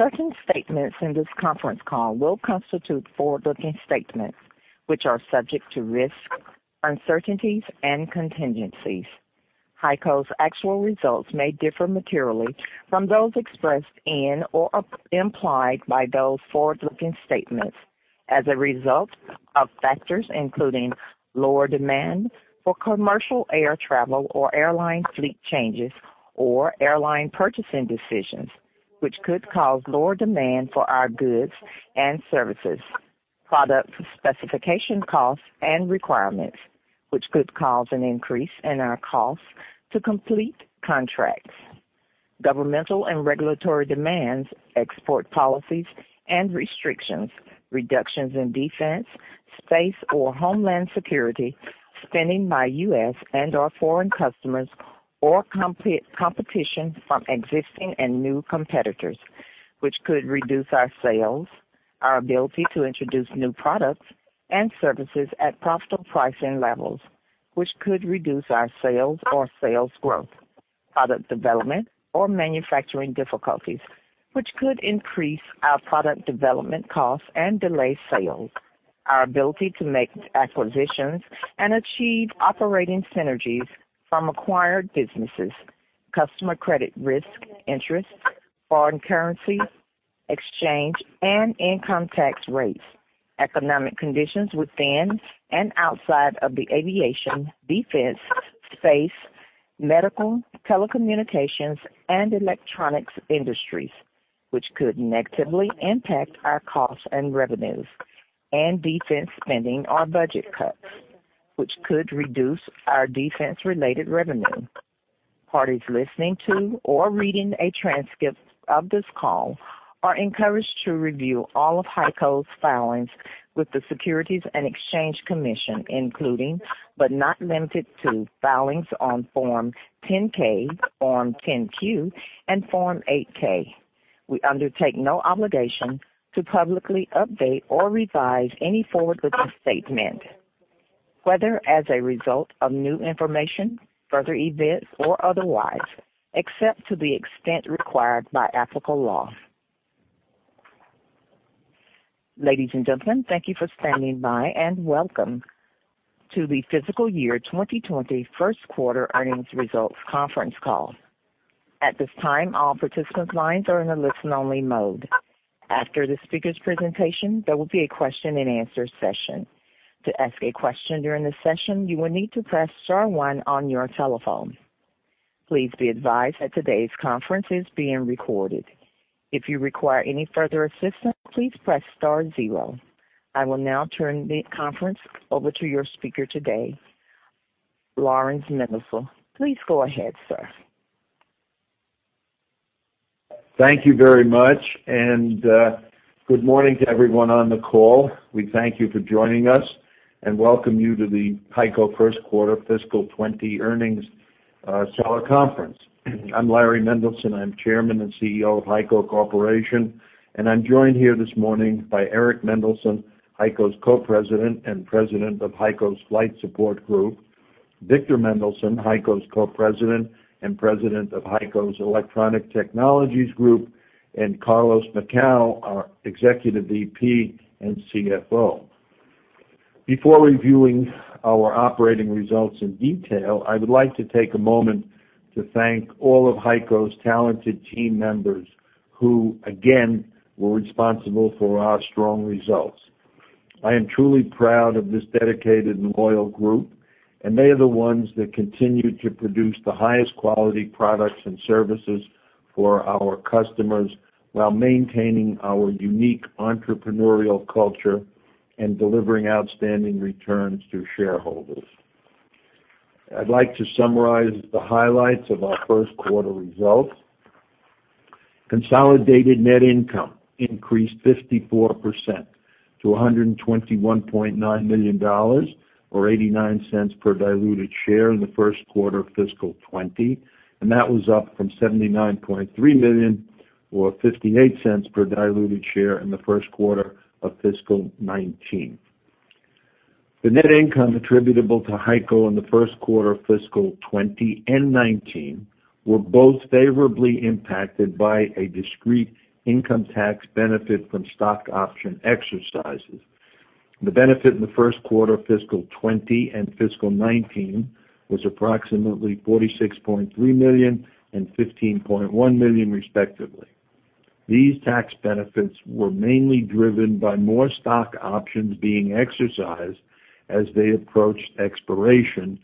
Certain statements in this conference call will constitute forward-looking statements, which are subject to risks, uncertainties, and contingencies. HEICO's actual results may differ materially from those expressed in or implied by those forward-looking statements as a result of factors including lower demand for commercial air travel or airline fleet changes or airline purchasing decisions, which could cause lower demand for our goods and services, product specification costs and requirements, which could cause an increase in our costs to complete contracts. Governmental and regulatory demands, export policies and restrictions, reductions in defense, space or homeland security, spending by U.S. and/or foreign customers or competition from existing and new competitors, which could reduce our sales, our ability to introduce new products and services at profitable pricing levels, which could reduce our sales or sales growth, product development or manufacturing difficulties, which could increase our product development costs and delay sales, our ability to make acquisitions and achieve operating synergies from acquired businesses, customer credit risk, interest, foreign currency exchange, and income tax rates, economic conditions within and outside of the aviation, defense, space, medical, telecommunications, and electronics industries, which could negatively impact our costs and revenues, and defense spending or budget cuts, which could reduce our defense-related revenue. Parties listening to or reading a transcript of this call are encouraged to review all of HEICO's filings with the Securities and Exchange Commission, including, but not limited to, filings on Form 10-K, Form 10-Q, and Form 8-K. We undertake no obligation to publicly update or revise any forward-looking statement, whether as a result of new information, further events or otherwise, except to the extent required by applicable law. Ladies and gentlemen, thank you for standing by. Welcome to the fiscal year 2020 first quarter earnings results conference call. At this time, all participant lines are in a listen-only mode. After the speaker's presentation, there will be a question and answer session. To ask a question during the session, you will need to press star one on your telephone. Please be advised that today's conference is being recorded. If you require any further assistance, please press star zero. I will now turn the conference over to your speaker today, Laurans Mendelson. Please go ahead, sir. Thank you very much, and good morning to everyone on the call. We thank you for joining us and welcome you to the HEICO first quarter fiscal 2020 earnings call conference. I'm Larry Mendelson. I'm Chairman and CEO of HEICO Corporation, and I'm joined here this morning by Eric Mendelson, HEICO's Co-president and President of HEICO's Flight Support Group, Victor Mendelson, HEICO's Co-president and President of HEICO's Electronic Technologies Group, and Carlos Macau, our Executive VP and CFO. Before reviewing our operating results in detail, I would like to take a moment to thank all of HEICO's talented team members who, again, were responsible for our strong results. I am truly proud of this dedicated and loyal group, and they are the ones that continue to produce the highest quality products and services for our customers while maintaining our unique entrepreneurial culture and delivering outstanding returns to shareholders. I'd like to summarize the highlights of our first quarter results. Consolidated net income increased 54% to $121.9 million, or $0.89 per diluted share in the first quarter of fiscal 2020, and that was up from $79.3 million or $0.58 per diluted share in the first quarter of fiscal 2019. The net income attributable to HEICO in the first quarter of fiscal 2020 and 2019 were both favorably impacted by a discrete income tax benefit from stock option exercises. The benefit in the first quarter of fiscal 2020 and fiscal 2019 was approximately $46.3 million and $15.1 million, respectively. These tax benefits were mainly driven by more stock options being exercised as they approached expiration,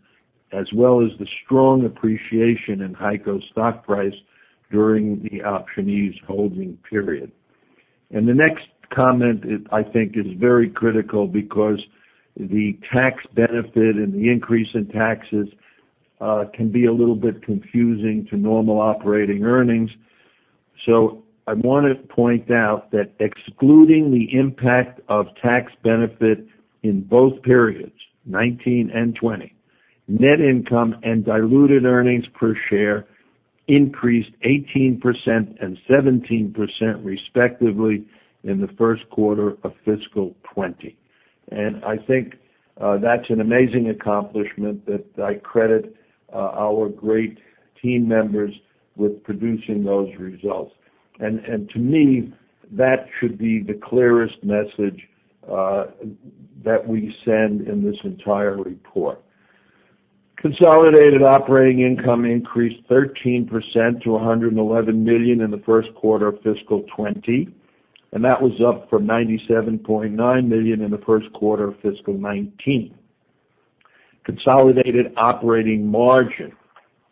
as well as the strong appreciation in HEICO's stock price during the optionees' holding period. The next comment, I think, is very critical because the tax benefit and the increase in taxes can be a little bit confusing to normal operating earnings. I want to point out that excluding the impact of tax benefit in both periods, 2019 and 2020, net income and diluted earnings per share increased 18% and 17%, respectively, in the first quarter of fiscal 2020. I think that's an amazing accomplishment that I credit our great team members with producing those results. To me, that should be the clearest message that we send in this entire report. Consolidated operating income increased 13% to $111 million in the first quarter of fiscal 2020, and that was up from $97.9 million in the first quarter of fiscal 2019. Consolidated operating margin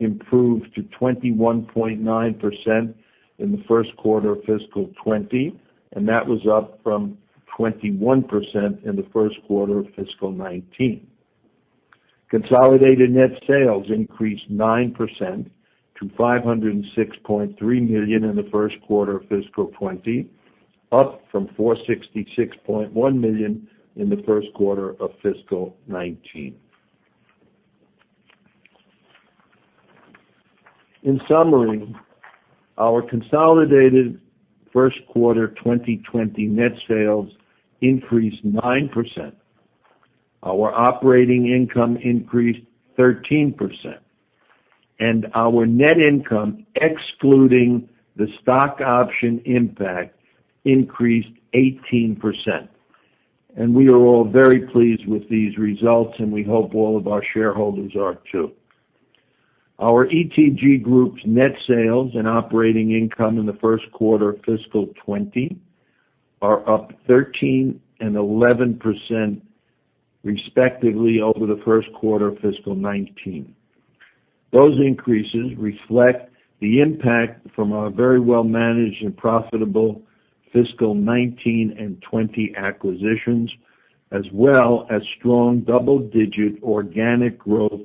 improved to 21.9% in the first quarter of fiscal 2020, and that was up from 21% in the first quarter of fiscal 2019. Consolidated net sales increased 9% to $506.3 million in the first quarter of fiscal 2020, up from $466.1 million in the first quarter of fiscal 2019. In summary, our consolidated first quarter 2020 net sales increased 9%. Our operating income increased 13%, and our net income, excluding the stock option impact, increased 18%. We are all very pleased with these results, and we hope all of our shareholders are too. Our ETG Group's net sales and operating income in the first quarter of fiscal 2020 are up 13% and 11%, respectively, over the first quarter of fiscal 2019. Those increases reflect the impact from our very well-managed and profitable fiscal 2019 and 2020 acquisitions, as well as strong double-digit organic growth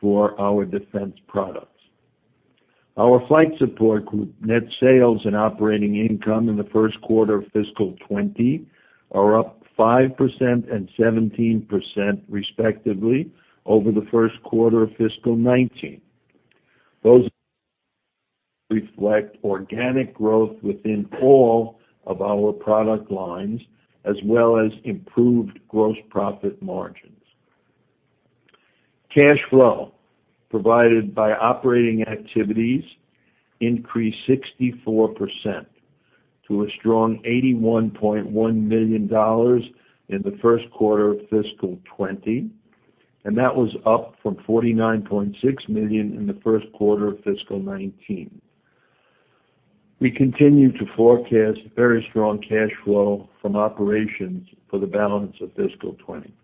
for our defense products. Our Flight Support Group net sales and operating income in the first quarter of fiscal 2020 are up 5% and 17%, respectively, over the first quarter of fiscal 2019. Those reflect organic growth within all of our product lines, as well as improved gross profit margins. Cash flow provided by operating activities increased 64% to a strong $81.1 million in the first quarter of fiscal 2020, that was up from $49.6 million in the first quarter of fiscal 2019. We continue to forecast very strong cash flow from operations for the balance of fiscal 2020.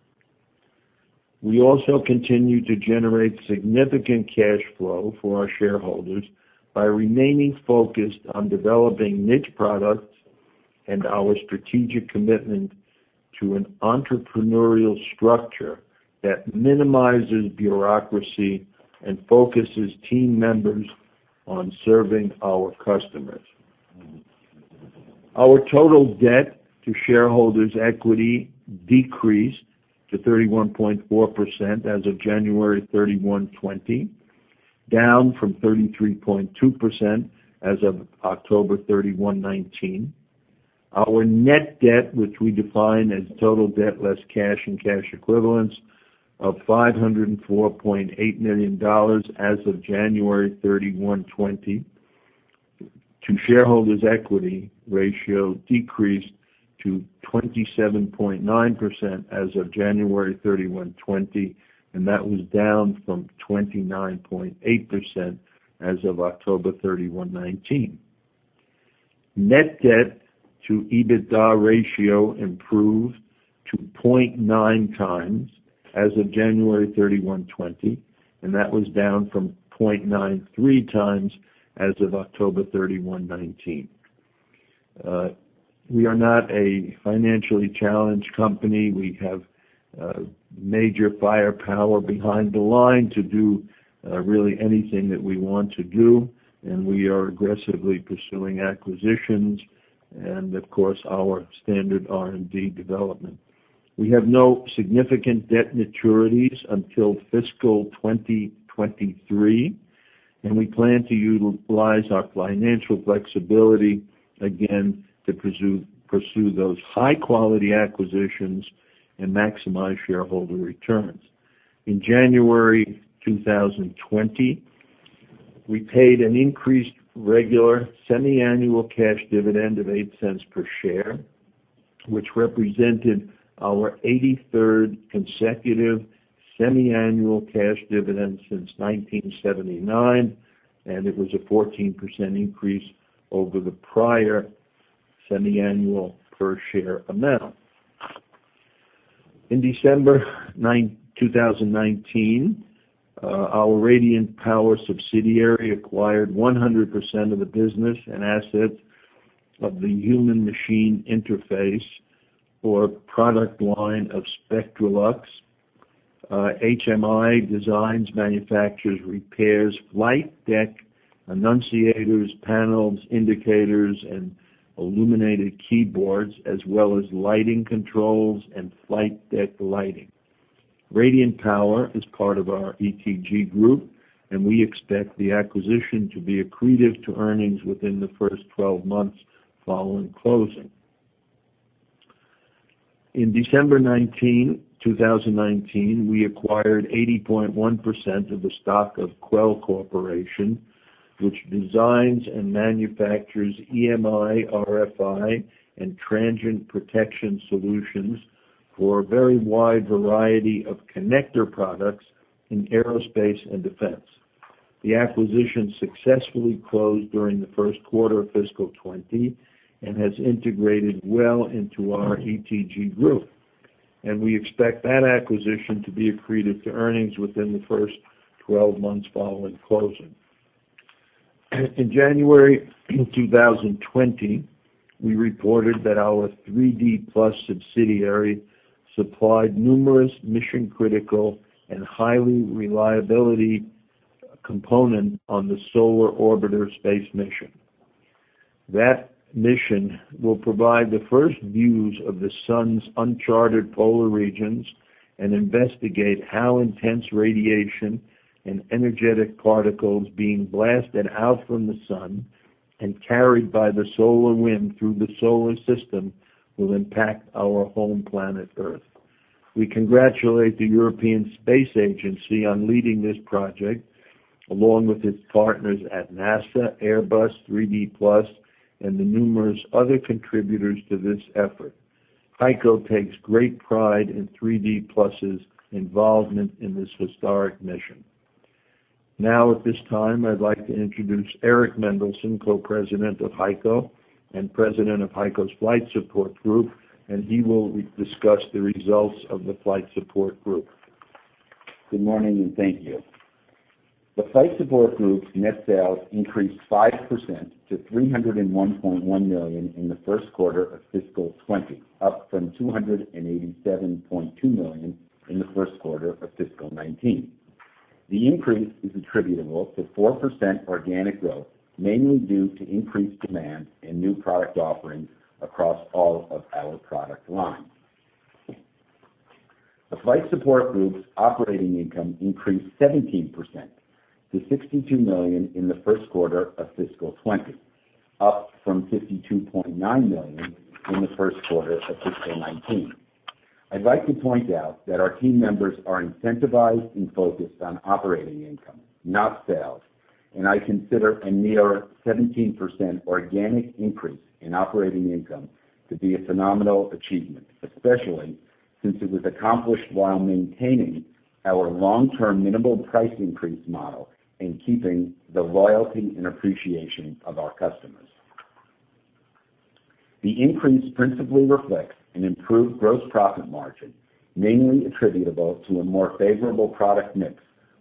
We also continue to generate significant cash flow for our shareholders by remaining focused on developing niche products and our strategic commitment to an entrepreneurial structure that minimizes bureaucracy and focuses team members on serving our customers. Our total debt to shareholders' equity decreased to 31.4% as of January 31, 2020, down from 33.2% as of October 31, 2019. Our net debt, which we define as total debt less cash and cash equivalents, of $504.8 million as of January 31, 2020, to shareholders' equity ratio decreased to 27.9% as of January 31, 2020, and that was down from 29.8% as of October 31, 2019. Net debt to EBITDA ratio improved to 0.9x as of January 31, 2020, and that was down from 0.93x as of October 31, 2019. We are not a financially challenged company. We have major firepower behind the line to do really anything that we want to do, and we are aggressively pursuing acquisitions and, of course, our standard R&D development. We have no significant debt maturities until fiscal 2023, and we plan to utilize our financial flexibility again to pursue those high-quality acquisitions and maximize shareholder returns. In January 2020, we paid an increased regular semiannual cash dividend of $0.08 per share, which represented our 83rd consecutive semiannual cash dividend since 1979, and it was a 14% increase over the prior semiannual per share amount. In December 2019, our Radiant Power subsidiary acquired 100% of the business and assets of the Human-Machine Interface, or product line of Spectralux. HMI designs, manufactures, repairs flight deck annunciators, panels, indicators, and illuminated keyboards, as well as lighting controls and flight deck lighting. Radiant Power is part of our ETG Group, and we expect the acquisition to be accretive to earnings within the first 12 months following closing. In December 19, 2019, we acquired 80.1% of the stock of Quell Corporation, which designs and manufactures EMI, RFI, and transient protection solutions for a very wide variety of connector products in aerospace and defense. The acquisition successfully closed during the first quarter of fiscal 2020, and has integrated well into our ETG Group, and we expect that acquisition to be accretive to earnings within the first 12 months following closing. In January 2020, we reported that our 3D PLUS subsidiary supplied numerous mission-critical and highly reliability component on the Solar Orbiter space mission. That mission will provide the first views of the sun's uncharted polar regions, and investigate how intense radiation and energetic particles being blasted out from the sun and carried by the solar wind through the solar system, will impact our home planet Earth. We congratulate the European Space Agency on leading this project, along with its partners at NASA, Airbus, 3D PLUS, and the numerous other contributors to this effort. HEICO takes great pride in 3D PLUS's involvement in this historic mission. Now at this time, I'd like to introduce Eric Mendelson, Co-President of HEICO and President of HEICO's Flight Support Group, and he will discuss the results of the Flight Support Group. Good morning, and thank you. The Flight Support Group's net sales increased 5% to $301.1 million in the first quarter of fiscal 2020, up from $287.2 million in the first quarter of fiscal 2019. The increase is attributable to 4% organic growth, mainly due to increased demand and new product offerings across all of our product lines. The Flight Support Group's operating income increased 17% to $62 million in the first quarter of fiscal 2020, up from $52.9 million in the first quarter of fiscal 2019. I'd like to point out that our team members are incentivized and focused on operating income, not sales, and I consider a near 17% organic increase in operating income to be a phenomenal achievement, especially since it was accomplished while maintaining our long-term minimal price increase model and keeping the loyalty and appreciation of our customers. The increase principally reflects an improved gross profit margin, mainly attributable to a more favorable product mix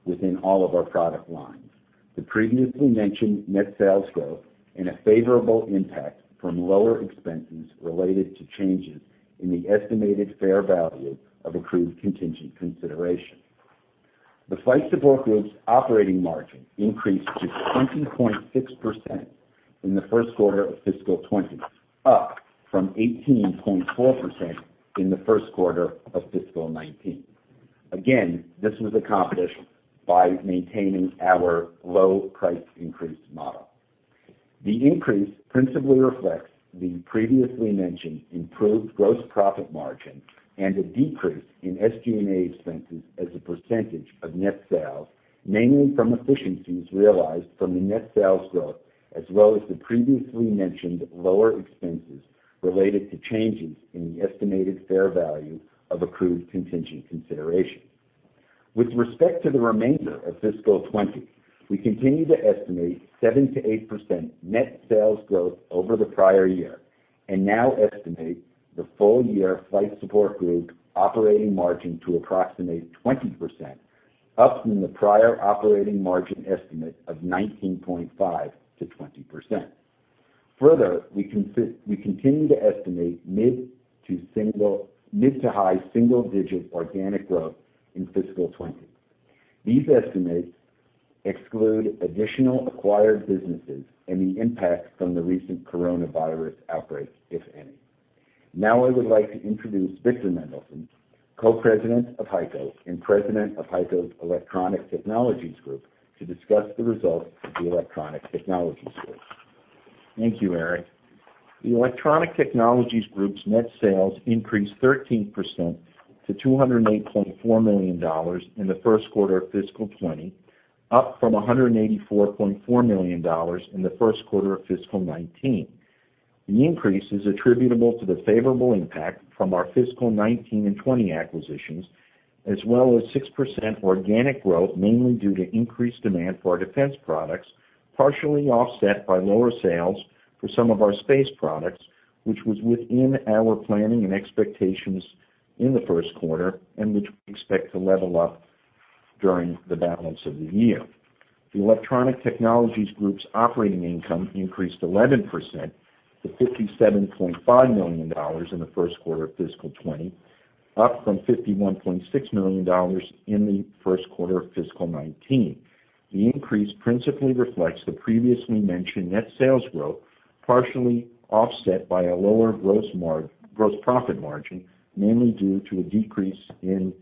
within all of our product lines, the previously mentioned net sales growth and a favorable impact from lower expenses related to changes in the estimated fair value of accrued contingent consideration. The Flight Support Group's operating margin increased to 20.6% in the first quarter of fiscal 2020, up from 18.4% in the first quarter of fiscal 2019. Again, this was accomplished by maintaining our low price increase model. The increase principally reflects the previously mentioned improved gross profit margin and a decrease in SG&A expenses as a percentage of net sales, mainly from efficiencies realized from the net sales growth, as well as the previously mentioned lower expenses related to changes in the estimated fair value of accrued contingent consideration. With respect to the remainder of fiscal 2020, we continue to estimate 7%-8% net sales growth over the prior year, and now estimate the full year Flight Support Group operating margin to approximate 20%, up from the prior operating margin estimate of 19.5%-20%. Further, we continue to estimate mid-to-high single-digit organic growth in fiscal 2020. These estimates exclude additional acquired businesses and the impact from the recent coronavirus outbreak, if any. Now I would like to introduce Victor Mendelson, Co-President of HEICO and President of HEICO's Electronic Technologies Group, to discuss the results of the Electronic Technologies Group. Thank you, Eric. The Electronic Technologies Group's net sales increased 13% to $208.4 million in the first quarter of fiscal 2020, up from $184.4 million in the first quarter of fiscal 2019. The increase is attributable to the favorable impact from our fiscal 2019 and 2020 acquisitions, as well as 6% organic growth, mainly due to increased demand for our defense products, partially offset by lower sales for some of our space products, which was within our planning and expectations in the first quarter, and which we expect to level up during the balance of the year. The Electronic Technologies Group's operating income increased 11% to $57.5 million in the first quarter of fiscal 2020, up from $51.6 million in the first quarter of fiscal 2019. The increase principally reflects the previously mentioned net sales growth, partially offset by a lower gross profit margin, mainly due to a decrease in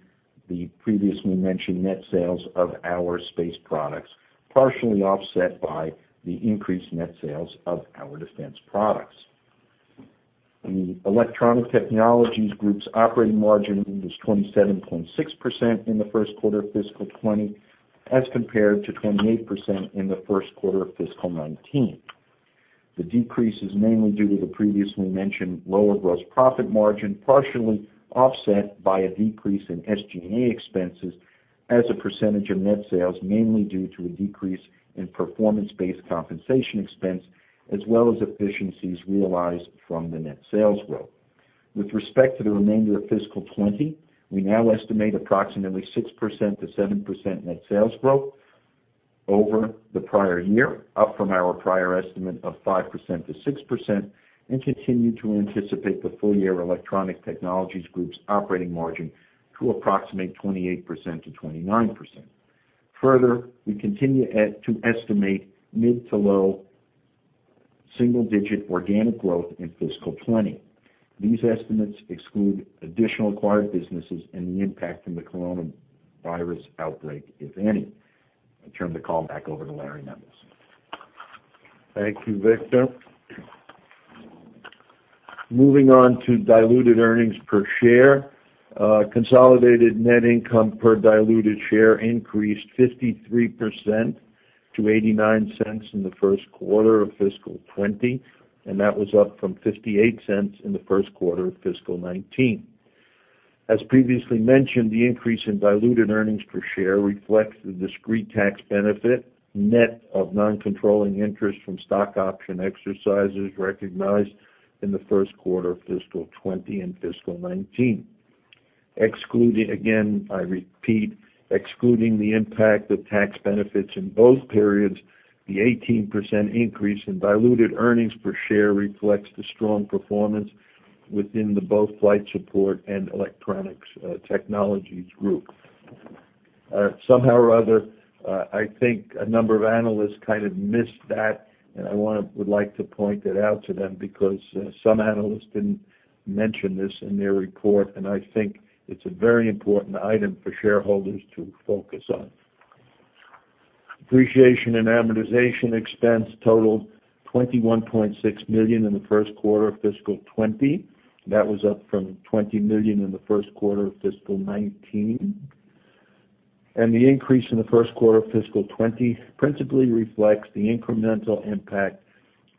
the previously mentioned net sales of our space products, partially offset by the increased net sales of our defense products. The Electronic Technologies Group's operating margin was 27.6% in the first quarter of fiscal 2020, as compared to 28% in the first quarter of fiscal 2019. The decrease is mainly due to the previously mentioned lower gross profit margin, partially offset by a decrease in SG&A expenses as a percentage of net sales, mainly due to a decrease in performance-based compensation expense, as well as efficiencies realized from the net sales growth. With respect to the remainder of fiscal 2020, we now estimate approximately 6%-7% net sales growth over the prior year, up from our prior estimate of 5%-6%, and continue to anticipate the full-year Electronic Technologies Group's operating margin to approximate 28%-29%. Further, we continue to estimate mid to low single-digit organic growth in fiscal 2020. These estimates exclude additional acquired businesses and the impact from the coronavirus outbreak, if any. I turn the call back over to Laurans Mendelson. Thank you, Victor. Moving on to diluted earnings per share. Consolidated net income per diluted share increased 53% to $0.89 in the first quarter of fiscal 2020, and that was up from $0.58 in the first quarter of fiscal 2019. As previously mentioned, the increase in diluted earnings per share reflects the discrete tax benefit, net of non-controlling interest from stock option exercises recognized in the first quarter of fiscal 2020 and fiscal 2019. Excluding, again, I repeat, excluding the impact of tax benefits in both periods, the 18% increase in diluted earnings per share reflects the strong performance within the both Flight Support and Electronic Technologies Group. Somehow or other, I think a number of analysts kind of missed that, and I would like to point it out to them because some analysts didn't mention this in their report, and I think it's a very important item for shareholders to focus on. Depreciation and amortization expense totaled $21.6 million in the first quarter of fiscal 2020. That was up from $20 million in the first quarter of fiscal 2019. The increase in the first quarter of fiscal 2020 principally reflects the incremental impact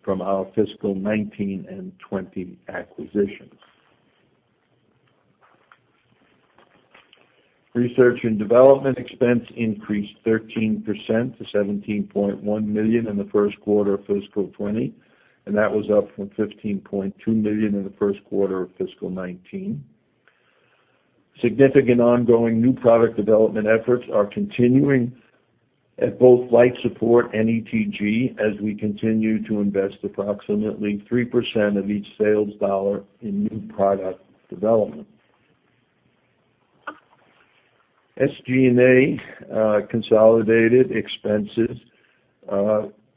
from our fiscal 2019 and 2020 acquisitions. Research and development expense increased 13% to $17.1 million in the first quarter of fiscal 2020. That was up from $15.2 million in the first quarter of fiscal 2019. Significant ongoing new product development efforts are continuing at both Flight Support and ETG as we continue to invest approximately 3% of each sales dollar in new product development. SG&A consolidated expenses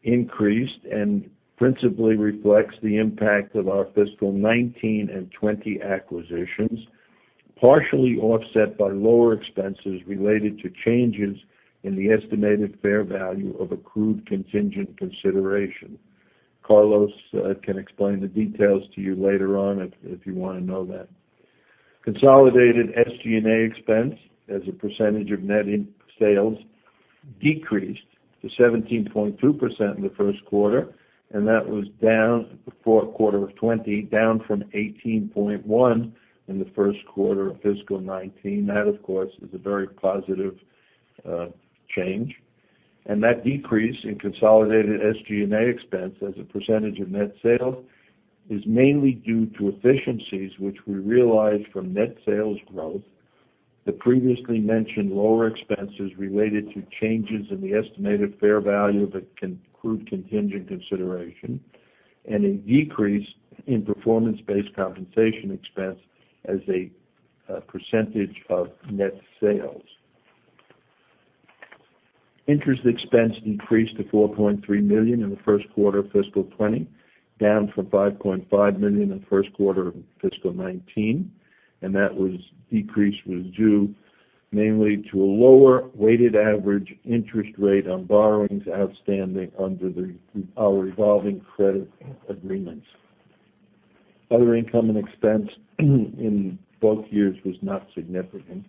increased and principally reflects the impact of our fiscal 2019 and 2020 acquisitions, partially offset by lower expenses related to changes in the estimated fair value of accrued contingent consideration. Carlos Macau can explain the details to you later on if you want to know that. Consolidated SG&A expense as a percentage of net sales decreased to 17.2% in the first quarter, and that was down for quarter of 2020, down from 18.1% in the first quarter of fiscal 2019. That, of course, is a very positive change. That decrease in consolidated SG&A expense as a percentage of net sales is mainly due to efficiencies which we realized from net sales growth, the previously mentioned lower expenses related to changes in the estimated fair value of accrued contingent consideration, and a decrease in performance-based compensation expense as a percentage of net sales. Interest expense increased to $4.3 million in the first quarter of fiscal 2020, down from $5.5 million in the first quarter of fiscal 2019. That was due mainly to a lower weighted average interest rate on borrowings outstanding under our revolving credit agreements. Other income and expense in both years was not significant.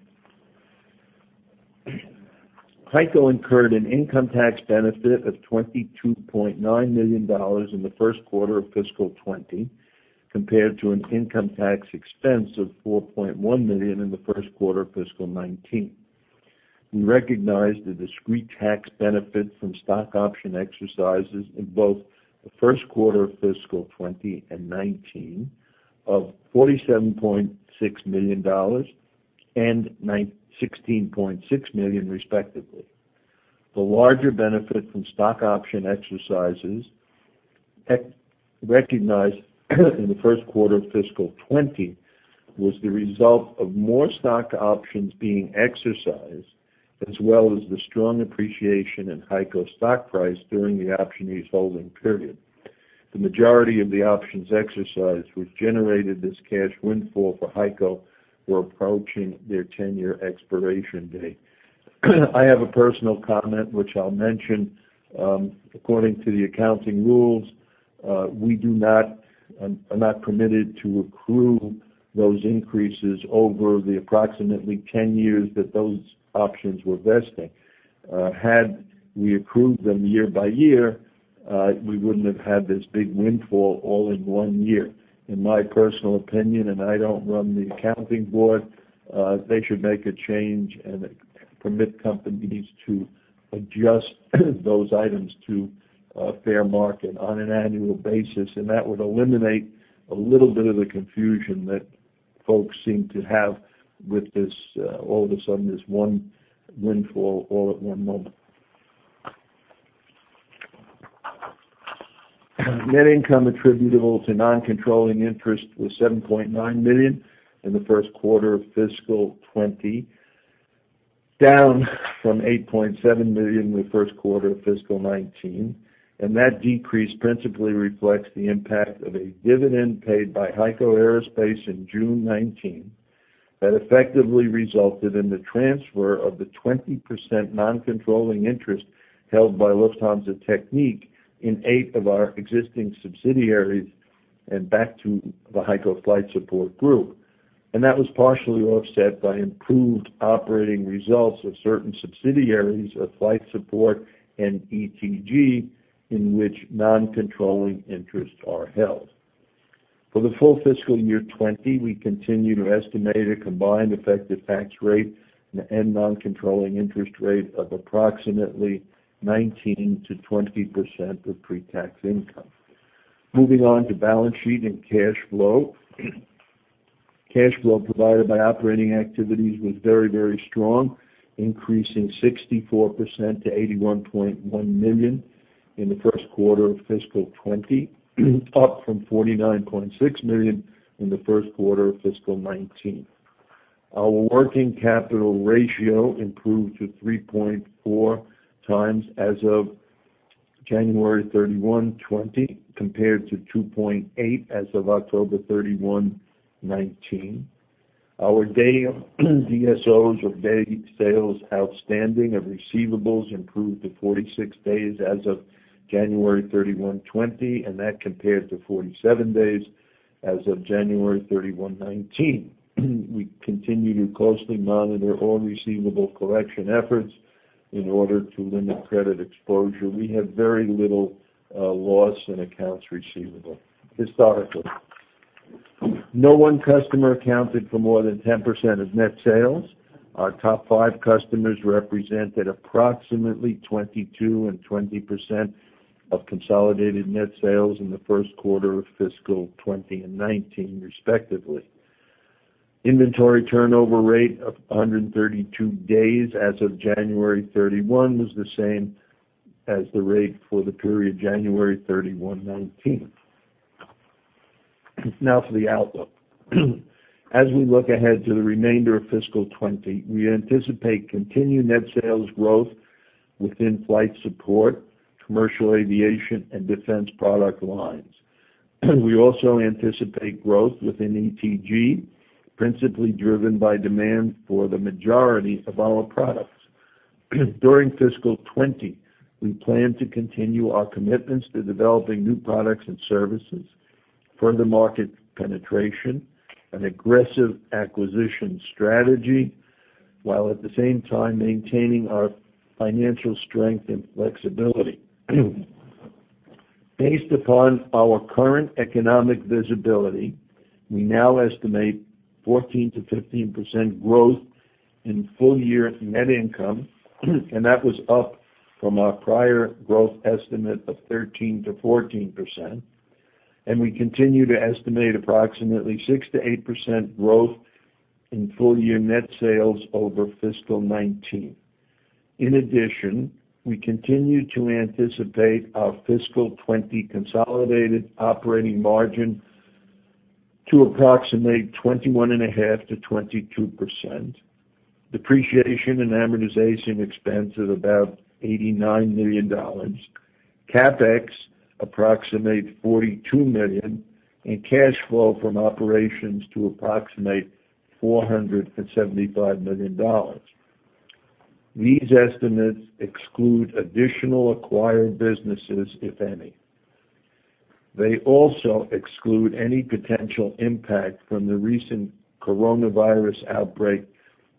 HEICO incurred an income tax benefit of $22.9 million in the first quarter of fiscal 2020, compared to an income tax expense of $4.1 million in the first quarter of fiscal 2019. We recognized the discrete tax benefit from stock option exercises in both the first quarter of fiscal 2020 and 2019 of $47.6 million and $16.6 million, respectively. The larger benefit from stock option exercises recognized in the first quarter of fiscal 2020 was the result of more stock options being exercised, as well as the strong appreciation in HEICO stock price during the optionee's holding period. The majority of the options exercised, which generated this cash windfall for HEICO, were approaching their 10-year expiration date. I have a personal comment, which I'll mention. According to the accounting rules, I'm not permitted to accrue those increases over the approximately 10 years that those options were vesting. Had we accrued them year by year, we wouldn't have had this big windfall all in one year. In my personal opinion, and I don't run the accounting board, they should make a change and permit companies to adjust those items to fair market on an annual basis. That would eliminate a little bit of the confusion that folks seem to have with this, all of a sudden, this one windfall all at one moment. Net income attributable to non-controlling interest was $7.9 million in the first quarter of fiscal 2020, down from $8.7 million in the first quarter of fiscal 2019. That decrease principally reflects the impact of a dividend paid by HEICO Aerospace in June 2019 that effectively resulted in the transfer of the 20% non-controlling interest held by Lufthansa Technik in eight of our existing subsidiaries and back to the HEICO Flight Support Group. That was partially offset by improved operating results of certain subsidiaries of Flight Support and ETG, in which non-controlling interests are held. For the full fiscal year 2020, we continue to estimate a combined effective tax rate and non-controlling interest rate of approximately 19%-20% of pre-tax income. Moving on to balance sheet and cash flow. Cash flow provided by operating activities was very strong, increasing 64% to $81.1 million in the first quarter of fiscal 2020 up from $49.6 million in the first quarter of fiscal 2019. Our working capital ratio improved to 3.4x as of January 31, 2020, compared to 2.8x as of October 31, 2019. Our day DSOs or days sales outstanding of receivables improved to 46 days as of January 31, 2020, and that compared to 47 days as of January 31, 2019. We continue to closely monitor all receivable collection efforts in order to limit credit exposure. We have very little loss in accounts receivable historically. No one customer accounted for more than 10% of net sales. Our top five customers represented approximately 22% and 20% of consolidated net sales in the first quarter of fiscal 2020 and 2019, respectively. Inventory turnover rate of 132 days as of January 31 was the same as the rate for the period January 31, 2019. Now for the outlook. As we look ahead to the remainder of fiscal 2020, we anticipate continued net sales growth within Flight Support, commercial aviation, and defense product lines. We also anticipate growth within ETG, principally driven by demand for the majority of our products. During fiscal 2020, we plan to continue our commitments to developing new products and services, further market penetration, an aggressive acquisition strategy, while at the same time maintaining our financial strength and flexibility. Based upon our current economic visibility, we now estimate 14%-15% growth in full-year net income, that was up from our prior growth estimate of 13%-14%. We continue to estimate approximately 6%-8% growth in full-year net sales over fiscal 2019. In addition, we continue to anticipate our fiscal 2020 consolidated operating margin to approximate 21.5%-22%, depreciation and amortization expense at about $89 million, CapEx approximate $42 million, and cash flow from operations to approximate $475 million. These estimates exclude additional acquired businesses, if any. They also exclude any potential impact from the recent coronavirus outbreak,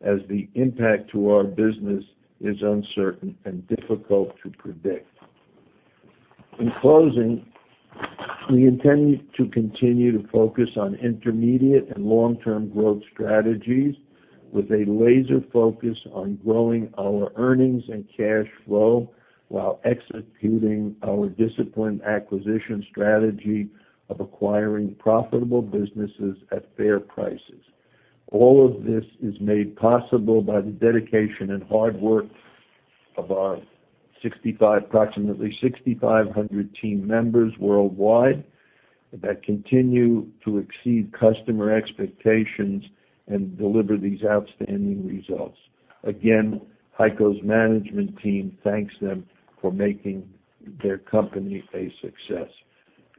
as the impact to our business is uncertain and difficult to predict. In closing, we intend to continue to focus on intermediate and long-term growth strategies with a laser focus on growing our earnings and cash flow while executing our disciplined acquisition strategy of acquiring profitable businesses at fair prices. All of this is made possible by the dedication and hard work of our approximately 6,500 team members worldwide that continue to exceed customer expectations and deliver these outstanding results. Again, HEICO's management team thanks them for making their company a success.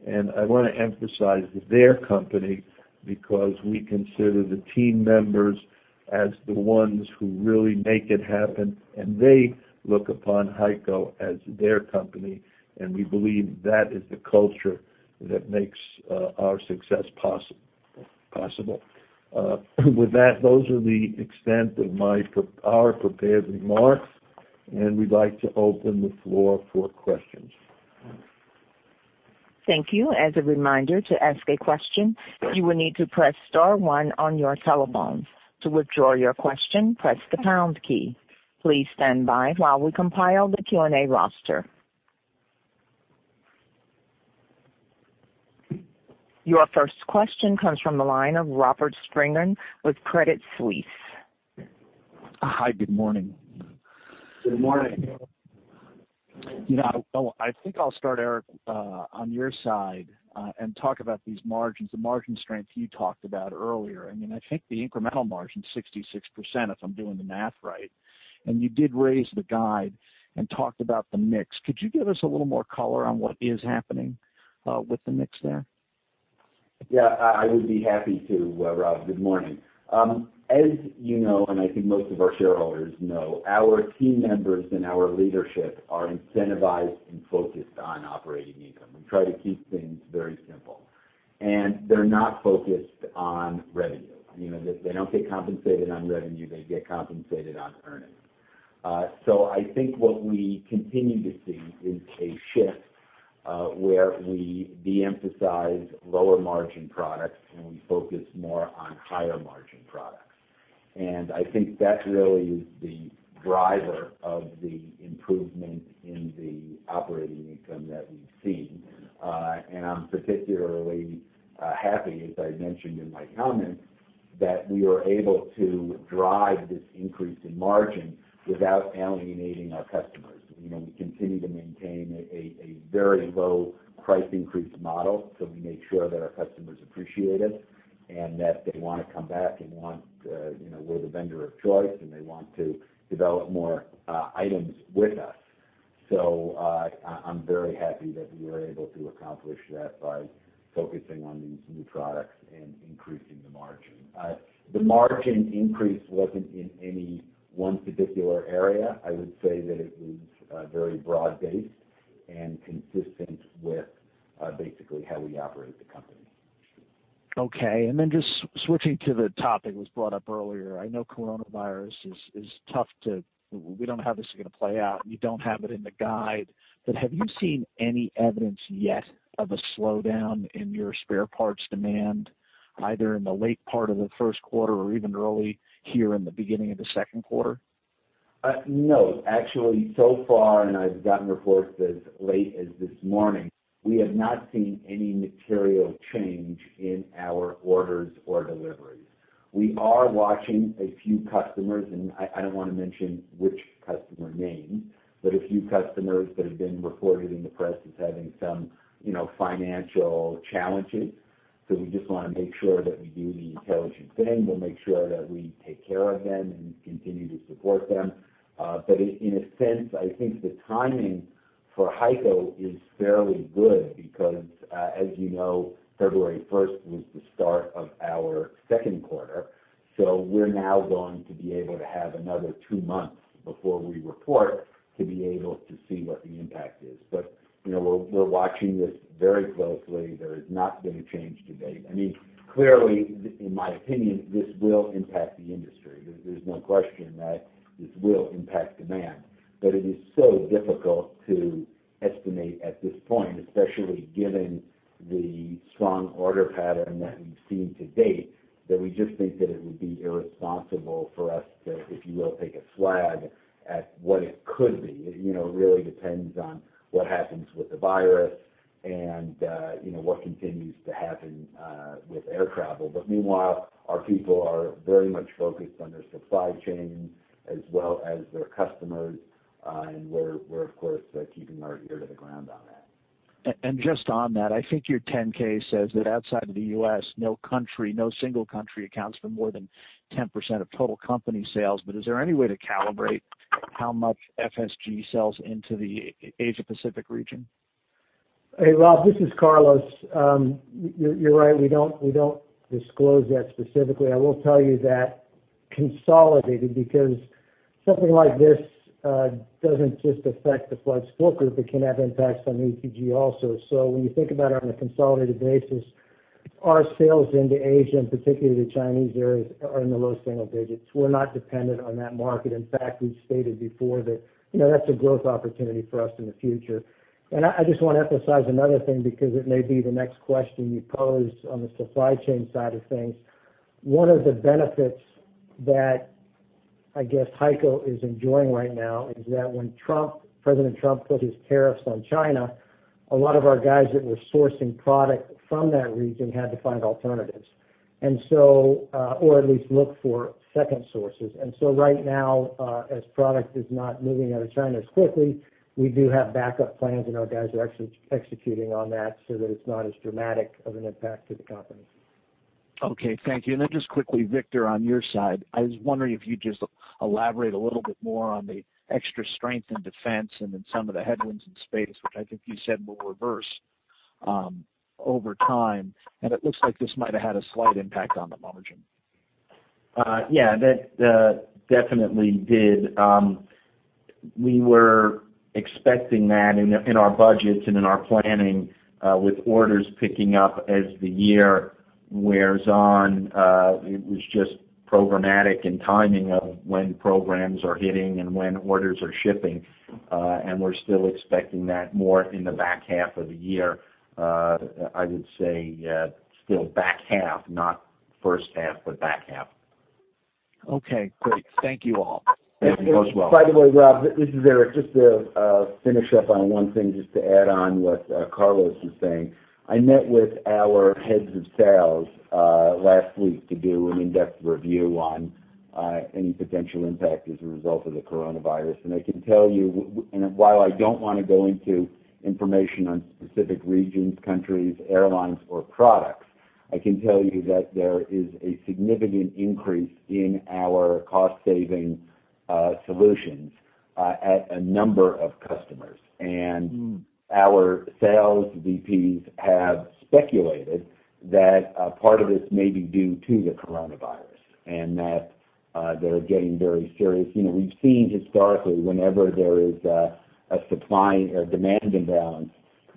I want to emphasize their company, because we consider the team members as the ones who really make it happen, and they look upon HEICO as their company, and we believe that is the culture that makes our success possible. With that, those are the extent of our prepared remarks, and we'd like to open the floor for questions. Thank you. As a reminder, to ask a question, you will need to press star one on your telephones. To withdraw your question, press the pound key. Please stand by while we compile the Q&A roster. Your first question comes from the line of Robert Spingarn with Credit Suisse. Hi, good morning. Good morning. I think I'll start, Eric, on your side and talk about these margins, the margin strength you talked about earlier. I think the incremental margin is 66%, if I'm doing the math right. You did raise the guide and talked about the mix. Could you give us a little more color on what is happening with the mix there? Yeah, I would be happy to, Rob. Good morning. As you know, and I think most of our shareholders know, our team members and our leadership are incentivized and focused on operating income. We try to keep things very simple. They're not focused on revenue. They don't get compensated on revenue. They get compensated on earnings. I think what we continue to see is a shift, where we de-emphasize lower margin products, and we focus more on higher margin products. I think that really is the driver of the improvement in the operating income that we've seen. I'm particularly happy, as I mentioned in my comments, that we are able to drive this increase in margin without alienating our customers. I'm very happy that we were able to accomplish that by focusing on these new products and increasing the margin. The margin increase wasn't in any one particular area. I would say that it was very broad-based and consistent with basically how we operate the company. Okay, just switching to the topic that was brought up earlier. I know coronavirus. We don't know how this is going to play out. You don't have it in the guide. Have you seen any evidence yet of a slowdown in your spare parts demand, either in the late part of the first quarter or even early here in the beginning of the second quarter? Actually, so far, I've gotten reports as late as this morning, we have not seen any material change in our orders or deliveries. We are watching a few customers, I don't want to mention which customer name, a few customers that have been reported in the press as having some financial challenges. We just want to make sure that we do the intelligent thing. We'll make sure that we take care of them and continue to support them. In a sense, I think the timing for HEICO is fairly good because, as you know, February 1st was the start of our second quarter. We're now going to be able to have another two months before we report to be able to see what the impact is. We're watching this very closely. There has not been a change to date. Clearly, in my opinion, this will impact the industry. There's no question that this will impact demand. It is so difficult to estimate at this point, especially given the strong order pattern that we've seen to date, that we just think that it would be irresponsible for us to, if you will, take a swag at what it could be. It really depends on what happens with the virus and what continues to happen with air travel. Meanwhile, our people are very much focused on their supply chain as well as their customers. We're of course, keeping our ear to the ground on that. Just on that, I think your 10-K says that outside of the U.S., no single country accounts for more than 10% of total company sales. Is there any way to calibrate how much FSG sells into the Asia Pacific region? Hey, Rob, this is Carlos. You're right, we don't disclose that specifically. I will tell you that consolidated, because something like this doesn't just affect the Flight Support Group, it can have impacts on ETG also. When you think about it on a consolidated basis, our sales into Asia, and particularly the Chinese areas, are in the low single digits. We're not dependent on that market. In fact, we've stated before that that's a growth opportunity for us in the future. I just want to emphasize another thing, because it may be the next question you pose on the supply chain side of things. One of the benefits that I guess HEICO is enjoying right now is that when President Trump put his tariffs on China, a lot of our guys that were sourcing product from that region had to find alternatives. Or at least look for second sources. Right now, as product is not moving out of China as quickly, we do have backup plans, and our guys are executing on that so that it's not as dramatic of an impact to the company. Okay. Thank you. Just quickly, Victor, on your side, I was wondering if you'd just elaborate a little bit more on the extra strength in defense and in some of the headwinds in space, which I think you said will reverse over time. It looks like this might have had a slight impact on the margin. Yeah, that definitely did. We were expecting that in our budgets and in our planning with orders picking up as the year wears on. It was just programmatic and timing of when programs are hitting and when orders are shipping. We're still expecting that more in the back half of the year. I would say, still back half, not first half, but back half. Okay, great. Thank you all. You're welcome. By the way, Rob, this is Eric. Just to finish up on one thing, just to add on what Carlos was saying. I met with our heads of sales last week to do an in-depth review on any potential impact as a result of the coronavirus. I can tell you, while I don't want to go into information on specific regions, countries, airlines, or products, I can tell you that there is a significant increase in our cost-saving solutions at a number of customers. Our sales VPs have speculated that a part of this may be due to the coronavirus and that they're getting very serious. We've seen historically, whenever there is a demand imbalance,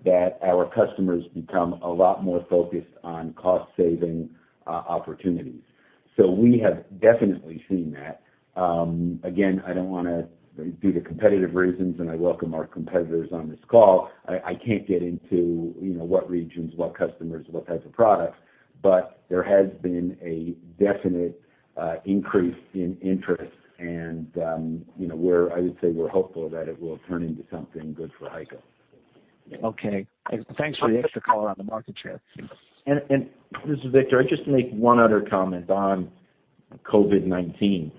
that our customers become a lot more focused on cost-saving opportunities. We have definitely seen that. Again, I don't want to, due to competitive reasons, and I welcome our competitors on this call, I can't get into what regions, what customers, what types of products, but there has been a definite increase in interest and I would say we're hopeful that it will turn into something good for HEICO. Okay. Thanks for the extra color on the market share. This is Victor. I'd just make one other comment on COVID-19,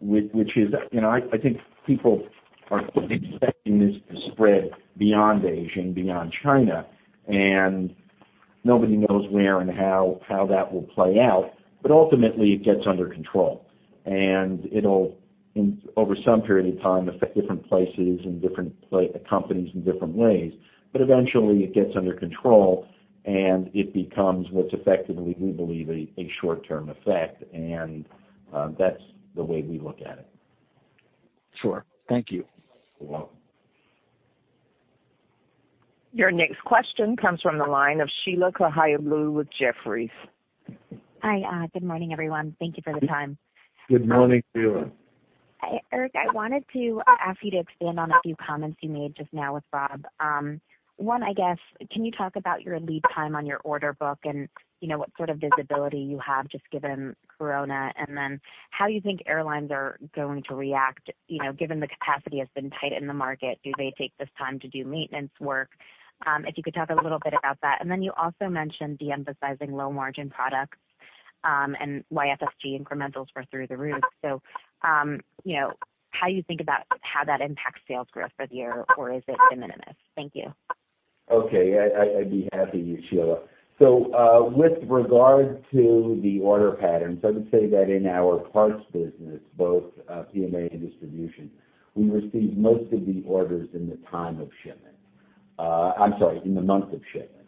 which is I think people are expecting this to spread beyond Asia and beyond China, and nobody knows where and how that will play out. Ultimately, it gets under control, and it'll, over some period of time, affect different places and different companies in different ways. Eventually it gets under control and it becomes what's effectively, we believe, a short-term effect, and that's the way we look at it. Sure. Thank you. You're welcome. Your next question comes from the line of Sheila Kahyaoglu with Jefferies. Hi, good morning, everyone. Thank Thank you for the time. Good morning, Sheila. Hi, Eric. I wanted to ask you to expand on a few comments you made just now with Rob. One, I guess, can you talk about your lead time on your order book and what sort of visibility you have just given COVID-19? How you think airlines are going to react, given the capacity has been tight in the market, do they take this time to do maintenance work? If you could talk a little bit about that. You also mentioned de-emphasizing low margin products, and FSG incrementals were through the roof. How you think about how that impacts sales growth for the year, or is it de minimis? Thank you. Okay. I'd be happy to, Sheila. With regard to the order patterns, I would say that in our parts business, both PMA and distribution, we receive most of the orders in the time of shipment. I'm sorry, in the month of shipment.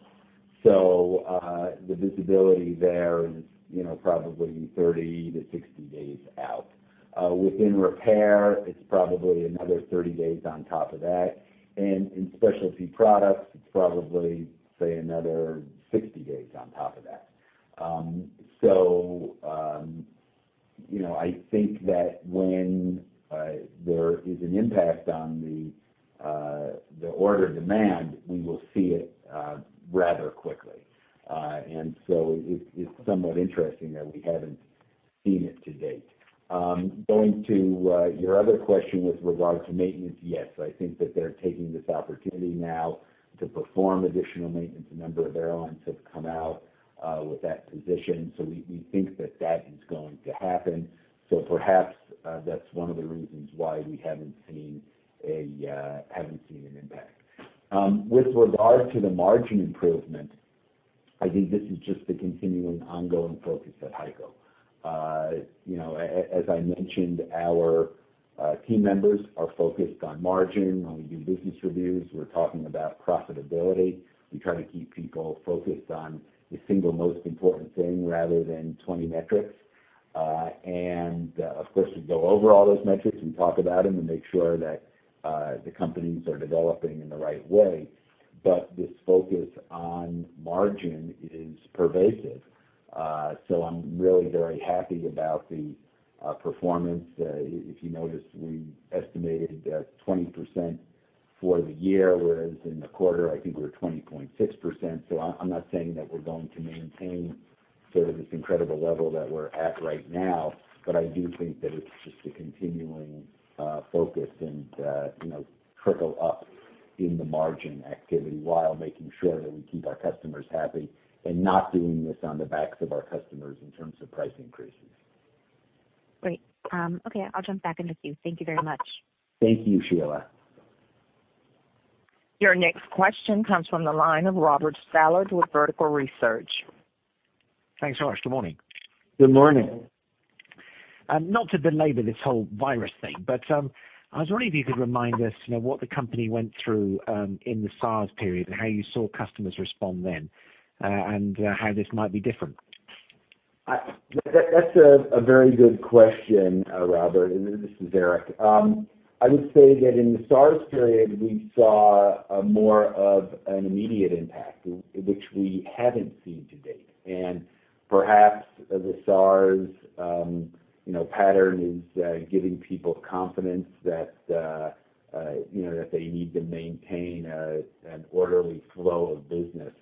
The visibility there is probably 30-60 days out. Within repair, it's probably another 30 days on top of that. In specialty products, it's probably, say, another 60 days on top of that. I think that when there is an impact on the order demand, we will see it rather quickly. It's somewhat interesting that we haven't seen it to date. Going to your other question with regard to maintenance, yes, I think that they're taking this opportunity now to perform additional maintenance. A number of airlines have come out with that position. We think that that is going to happen. Perhaps that's one of the reasons why we haven't seen an impact. With regard to the margin improvement, I think this is just the continuing ongoing focus at HEICO. As I mentioned, our team members are focused on margin. When we do business reviews, we're talking about profitability. We try to keep people focused on the single most important thing rather than 20 metrics. Of course, we go over all those metrics and talk about them and make sure that the companies are developing in the right way. This focus on margin is pervasive. I'm really very happy about the performance. If you noticed, we estimated 20% for the year, whereas in the quarter, I think we're 20.6%. I'm not saying that we're going to maintain this incredible level that we're at right now, but I do think that it's just a continuing focus and trickle up in the margin activity while making sure that we keep our customers happy and not doing this on the backs of our customers in terms of price increases. Great. Okay, I'll jump back in with you. Thank you very much. Thank you, Sheila. Your next question comes from the line of Robert Stallard with Vertical Research. Thanks so much. Good morning. Good morning. Not to belabor this whole virus thing, but I was wondering if you could remind us what the company went through in the SARS period and how you saw customers respond then, and how this might be different. That's a very good question, Robert. This is Eric. I would say that in the SARS period, we saw more of an immediate impact, which we haven't seen to date. Perhaps the SARS pattern is giving people confidence that they need to maintain an orderly flow of business,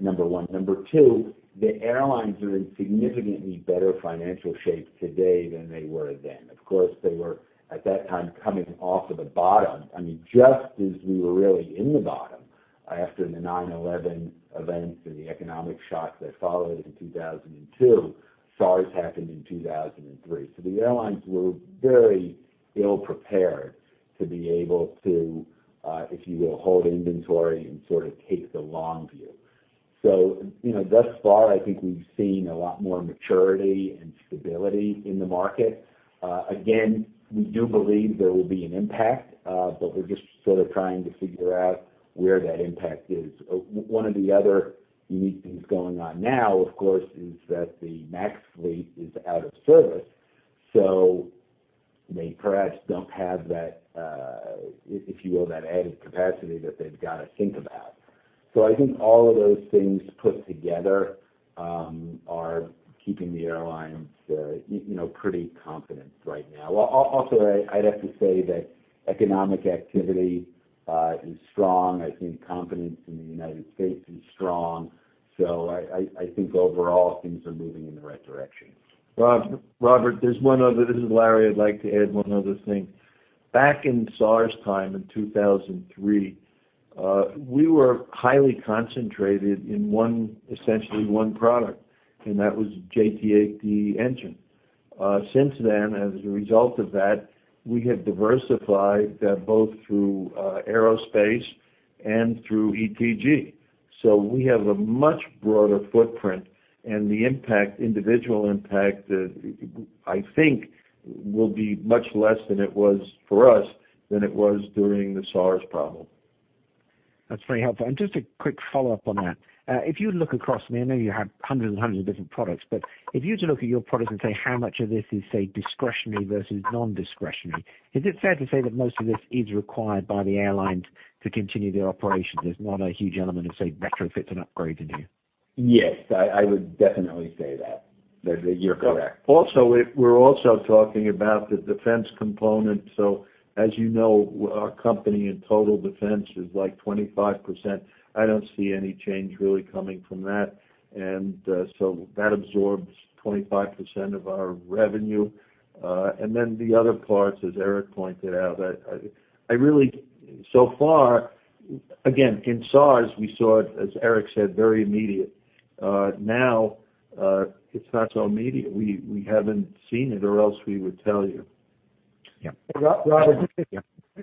number 1. Number 2, the airlines are in significantly better financial shape today than they were then. Of course, they were, at that time, coming off of the bottom. Just as we were really in the bottom after the 9/11 events and the economic shock that followed in 2002, SARS happened in 2003. The airlines were very ill-prepared to be able to, if you will, hold inventory and sort of take the long view. Thus far, I think we've seen a lot more maturity and stability in the market. We do believe there will be an impact, but we're just sort of trying to figure out where that impact is. One of the other unique things going on now, of course, is that the MAX fleet is out of service, so they perhaps don't have that, if you will, that added capacity that they've got to think about. I think all of those things put together are keeping the airlines pretty confident right now. Also, I'd have to say that economic activity is strong. I think confidence in the U.S. is strong. I think overall things are moving in the right direction. Robert, this is Larry. I'd like to add one other thing. Back in SARS time in 2003, we were highly concentrated in essentially one product, and that was JT8D engine. Since then, as a result of that, we have diversified that both through aerospace and through ETG. We have a much broader footprint, and the individual impact, I think, will be much less than it was for us, than it was during the SARS problem. That's very helpful. Just a quick follow-up on that. If you look across, I know you have hundreds and hundreds of different products, but if you were to look at your products and say how much of this is, say, discretionary versus non-discretionary, is it fair to say that most of this is required by the airlines to continue their operations? There's not a huge element of, say, retrofits and upgrades in here? Yes, I would definitely say that. You're correct. Also, we're also talking about the defense component. As you know, our company in total defense is like 25%. I don't see any change really coming from that. That absorbs 25% of our revenue. The other parts, as Eric pointed out, so far, again, in SARS, we saw it, as Eric said, very immediate. Now it's not so immediate. We haven't seen it or else we would tell you. Robert?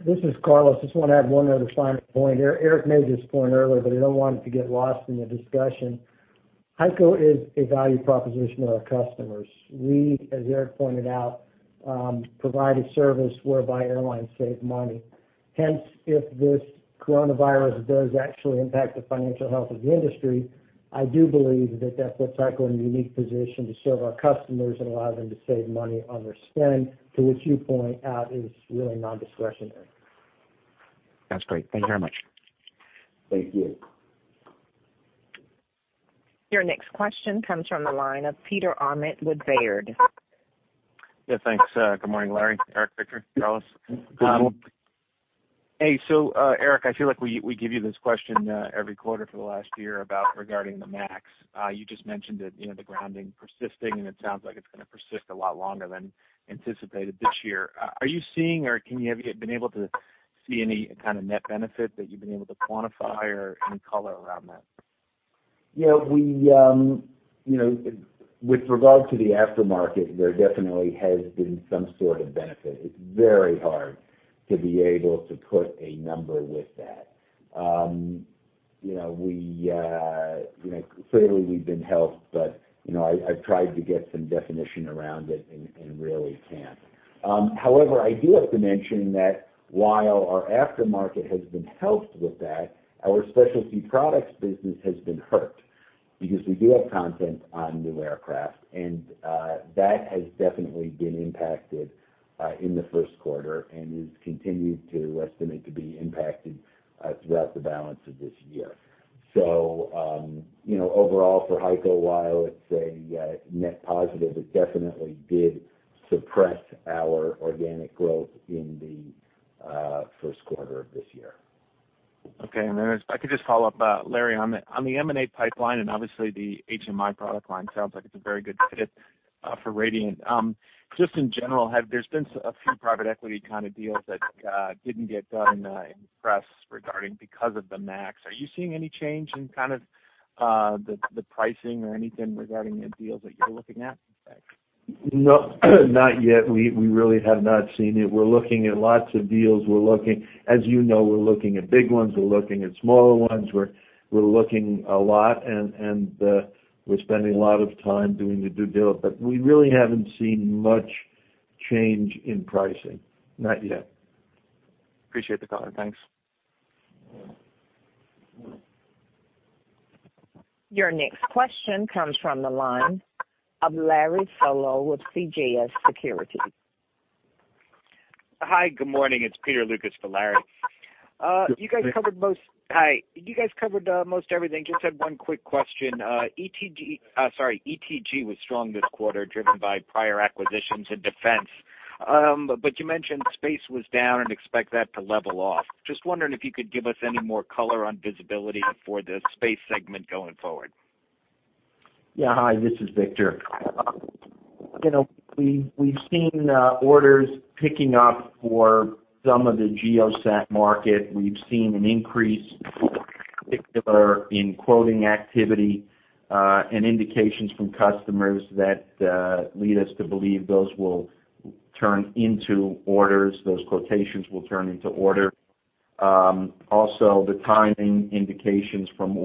This is Carlos. Just want to add one other final point. I don't want it to get lost in the discussion. HEICO is a value proposition to our customers. We, as Eric pointed out, provide a service whereby airlines save money. If this coronavirus does actually impact the financial health of the industry, I do believe that that puts HEICO in a unique position to serve our customers and allow them to save money on their spend, to which you point out is really non-discretionary. That's great. Thank you very much. Thank you. Your next question comes from the line of Peter Arment with Baird. Yeah, thanks. Good morning, Larry, Eric, Victor, Carlos. Good morning. Hey. Eric, I feel like we give you this question every quarter for the last year regarding the MAX. You just mentioned that the grounding persisting, and it sounds like it's going to persist a lot longer than anticipated this year. Are you seeing or have you been able to see any kind of net benefit that you've been able to quantify or any color around that? With regard to the aftermarket, there definitely has been some sort of benefit. It's very hard to be able to put a number with that. Clearly, we've been helped, but I've tried to get some definition around it and really can't. However, I do have to mention that while our aftermarket has been helped with that, our specialty products business has been hurt because we do have content on new aircraft, and that has definitely been impacted in the first quarter and is continued to estimate to be impacted throughout the balance of this year. Overall for HEICO, while it's a net positive, it definitely did suppress our organic growth in the first quarter of this year. Okay. If I could just follow up, Larry, on the M&A pipeline and obviously the HMI product line, sounds like it's a very good fit for Radiant. Just in general, there's been a few private equity kind of deals that didn't get done in the press regarding because of the MAX. Are you seeing any change in kind of the pricing or anything regarding the deals that you're looking at, in fact? No, not yet. We really have not seen it. We're looking at lots of deals. As you know, we're looking at big ones, we're looking at smaller ones. We're looking a lot, and we're spending a lot of time doing the due diligence. We really haven't seen much change in pricing, not yet. Appreciate the color. Thanks. Your next question comes from the line of Larry Solow with CJS Securities. Hi, good morning. It's Peter Lucas for Larry. Good day. Hi. You guys covered most everything. Just had one quick question. ETG was strong this quarter, driven by prior acquisitions and defense. You mentioned space was down and expect that to level off. Just wondering if you could give us any more color on visibility for the space segment going forward. Yeah. Hi, this is Victor. We've seen orders picking up for some of the GEOSAT market. We've seen an increase in particular in quoting activity, and indications from customers that lead us to believe those will turn into orders, those quotations will turn into order. The timing indications from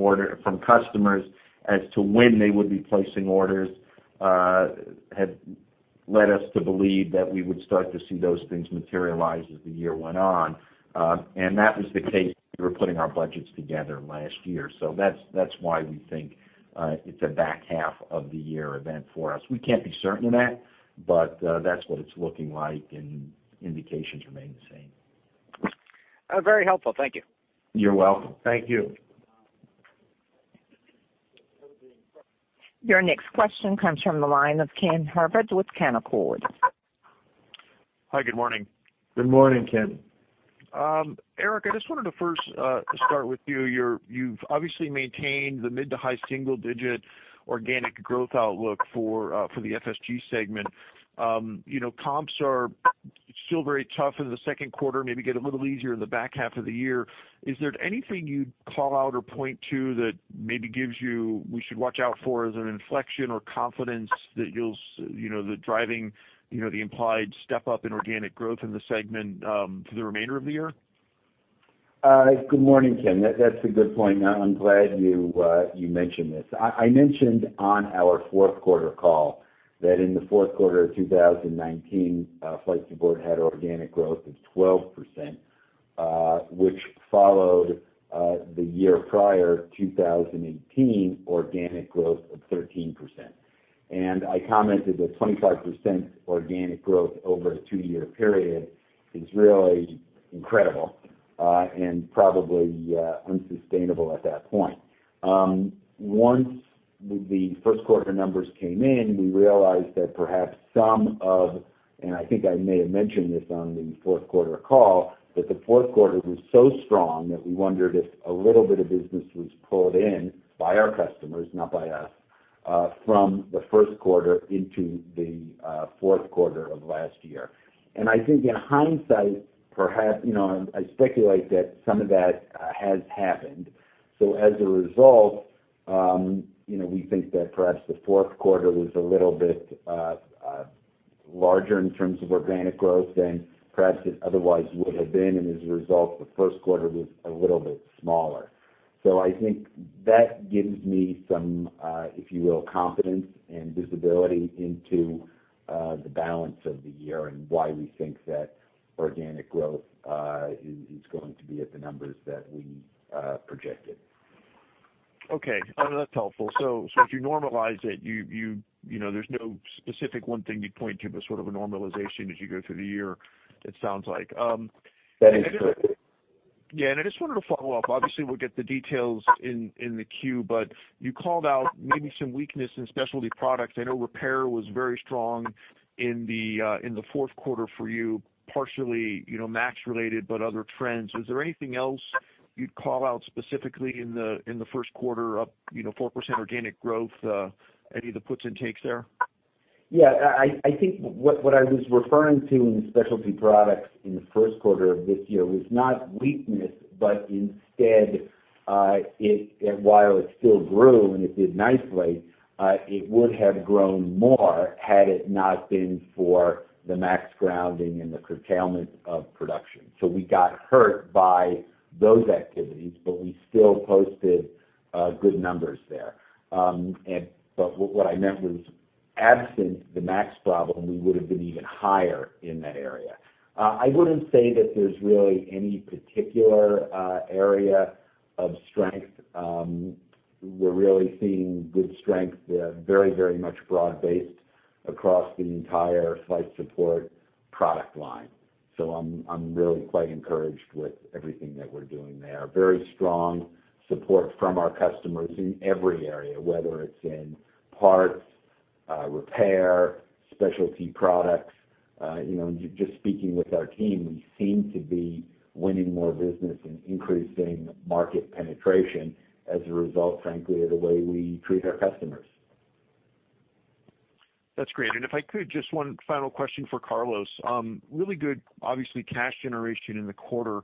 customers as to when they would be placing orders, have led us to believe that we would start to see those things materialize as the year went on. That was the case when we were putting our budgets together last year. That's why we think, it's a back half of the year event for us. We can't be certain of that, but that's what it's looking like, and indications remain the same. Very helpful. Thank you. You're welcome. Thank you. Your next question comes from the line of Ken Herbert with Canaccord. Hi. Good morning. Good morning, Ken. Eric, I just wanted to first start with you. You've obviously maintained the mid to high single digit organic growth outlook for the FSG segment. Comps are still very tough in the second quarter, maybe get a little easier in the back half of the year. Is there anything you'd call out or point to that maybe gives you, we should watch out for as an inflection or confidence that driving the implied step up in organic growth in the segment, for the remainder of the year? Good morning, Ken. That's a good point. I'm glad you mentioned this. I mentioned on our fourth quarter call that in the fourth quarter of 2019, Flight Support had organic growth of 12%, which followed the year prior 2018 organic growth of 13%. I commented that 25% organic growth over a two-year period is really incredible, and probably unsustainable at that point. Once the first quarter numbers came in, we realized that perhaps some of, and I think I may have mentioned this on the fourth quarter call, that the fourth quarter was so strong that we wondered if a little bit of business was pulled in by our customers, not by us, from the first quarter into the fourth quarter of last year. I think in hindsight, I speculate that some of that has happened. As a result, we think that perhaps the fourth quarter was a little bit larger in terms of organic growth than perhaps it otherwise would have been. As a result, the first quarter was a little bit smaller. I think that gives me some, if you will, confidence and visibility into the balance of the year and why we think that organic growth is going to be at the numbers that we projected. Okay. That's helpful. If you normalize it, there's no specific one thing you'd point to, but sort of a normalization as you go through the year, it sounds like. That is correct. I just wanted to follow up. Obviously, we'll get the details in the Q, but you called out maybe some weakness in specialty products. I know repair was very strong in the fourth quarter for you partially, MAX related, but other trends. Is there anything else you'd call out specifically in the first quarter up 4% organic growth? Any of the puts and takes there? I think what I was referring to in the specialty products in the first quarter of this year was not weakness, but instead, while it still grew, and it did nicely, it would have grown more had it not been for the MAX grounding and the curtailment of production. We got hurt by those activities, but we still posted good numbers there. What I meant was, absent the MAX problem, we would have been even higher in that area. I wouldn't say that there's really any particular area of strength. We're really seeing good strength there, very much broad-based across the entire Flight Support product line. I'm really quite encouraged with everything that we're doing there. Very strong support from our customers in every area, whether it's in parts, repair, specialty products. Just speaking with our team, we seem to be winning more business and increasing market penetration as a result, frankly, of the way we treat our customers. That's great. If I could, just one final question for Carlos. Really good, obviously, cash generation in the quarter.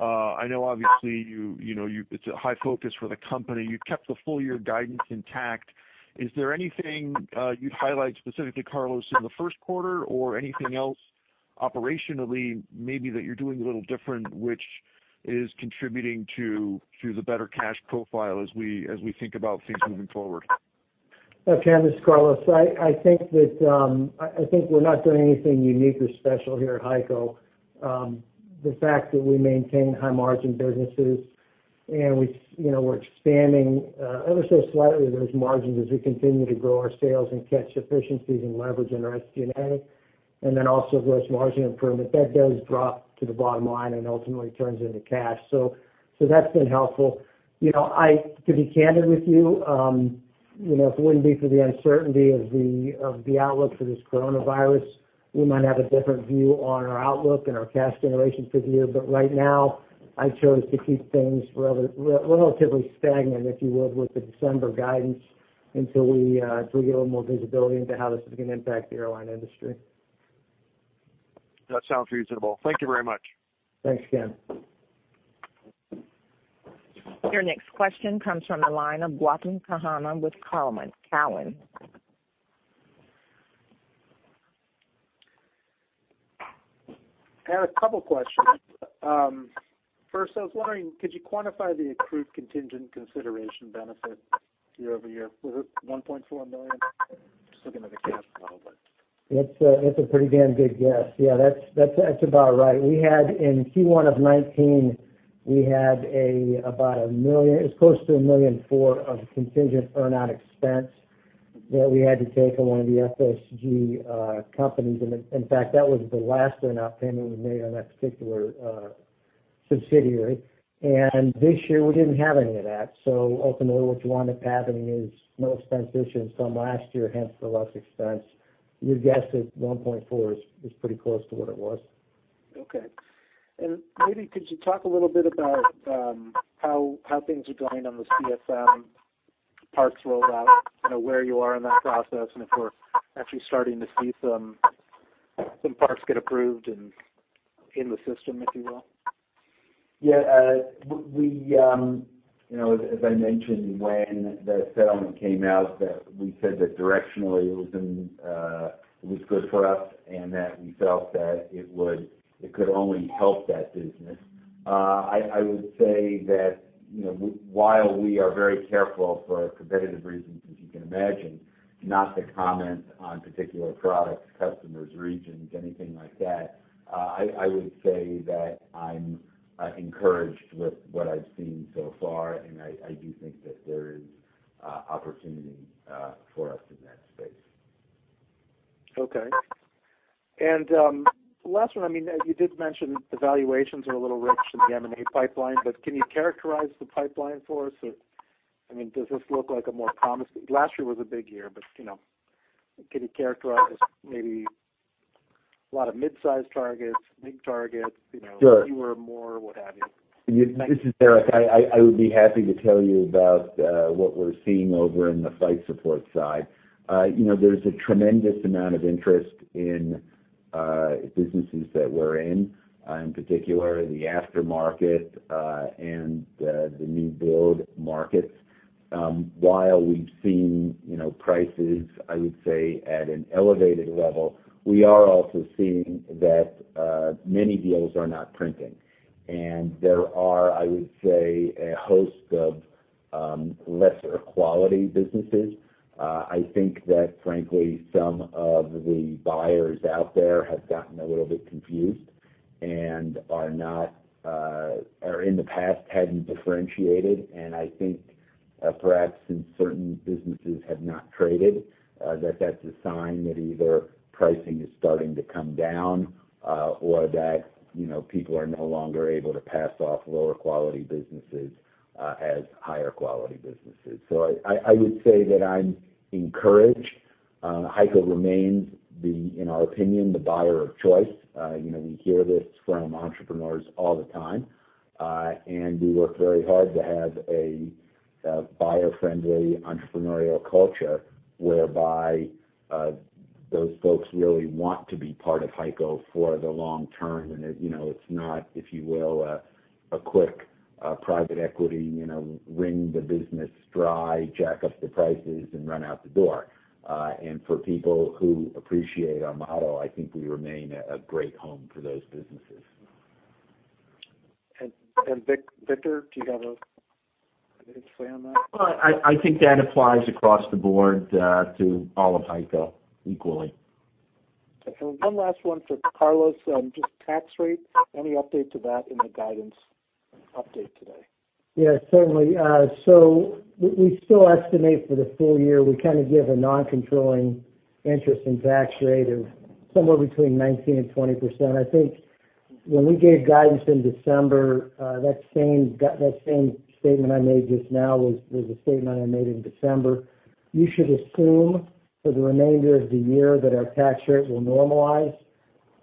I know, obviously, it's a high focus for the company. You've kept the full-year guidance intact. Is there anything you'd highlight specifically, Carlos, in the first quarter or anything else operationally maybe that you're doing a little different, which is contributing to the better cash profile as we think about things moving forward? Ken, this is Carlos. I think we're not doing anything unique or special here at HEICO. The fact that we maintain high margin businesses, and we're expanding ever so slightly those margins as we continue to grow our sales and catch efficiencies and leverage in our SG&A, and then also gross margin improvement, that does drop to the bottom line and ultimately turns into cash. That's been helpful. To be candid with you, if it wouldn't be for the uncertainty of the outlook for this coronavirus, we might have a different view on our outlook and our cash generation for the year. Right now, I chose to keep things relatively stagnant, if you will, with the December guidance, until we get a little more visibility into how this is going to impact the airline industry. That sounds reasonable. Thank you very much. Thanks, Ken. Your next question comes from the line of Gautam Khanna with Cowen. I have a couple questions. First, I was wondering, could you quantify the accrued contingent consideration benefit year-over-year? Was it $1.4 million? I was just looking at the cash flow. That's a pretty damn good guess. Yeah, that's about right. In Q1 of 2019, we had close to $1.4 million of contingent earn out expense that we had to take on one of the FSG companies. In fact, that was the last earn-out payment we made on that particular subsidiary. This year, we didn't have any of that. Ultimately, what you wind up having is no expense issues from last year, hence the less expense. Your guess at $1.4 is pretty close to what it was. Okay. Maybe could you talk a little bit about how things are going on the CFM parts rollout, where you are in that process, and if we're actually starting to see some parts get approved and in the system, if you will? Yeah. As I mentioned, when the settlement came out that we said that directionally it was good for us and that we felt that it could only help that business. I would say that while we are very careful for competitive reasons, as you can imagine, not to comment on particular products, customers, regions, anything like that. I would say that I'm encouraged with what I've seen so far, and I do think that there is opportunity for us in that space. Okay. The last one, you did mention the valuations are a little rich in the M&A pipeline, but can you characterize the pipeline for us? Last year was a big year, but can you characterize maybe a lot of mid-size targets, big targets fewer or more, what have you? This is Eric. I would be happy to tell you about what we're seeing over in the Flight Support side. There's a tremendous amount of interest in businesses that we're in particular the aftermarket and the new build markets. While we've seen prices, I would say, at an elevated level, we are also seeing that many deals are not printing. There are, I would say, a host of lesser quality businesses. I think that frankly, some of the buyers out there have gotten a little bit confused and in the past hadn't differentiated. I think perhaps since certain businesses have not traded, that that's a sign that either pricing is starting to come down or that people are no longer able to pass off lower quality businesses as higher quality businesses. I would say that I'm encouraged. HEICO remains, in our opinion, the buyer of choice. We hear this from entrepreneurs all the time. We work very hard to have a buyer-friendly entrepreneurial culture whereby those folks really want to be part of HEICO for the long term, and it's not, if you will, a quick private equity, wring the business dry, jack up the prices, and run out the door. For people who appreciate our model, I think we remain a great home for those businesses. Victor, do you have a display on that? I think that applies across the board to all of HEICO equally. Okay. One last one for Carlos, just tax rate, any update to that in the guidance update today? Yeah, certainly. We still estimate for the full year, we give a non-controlling interest in tax rate of somewhere between 19% and 20%. When we gave guidance in December, that same statement I made just now was a statement I made in December. You should assume for the remainder of the year that our tax rate will normalize.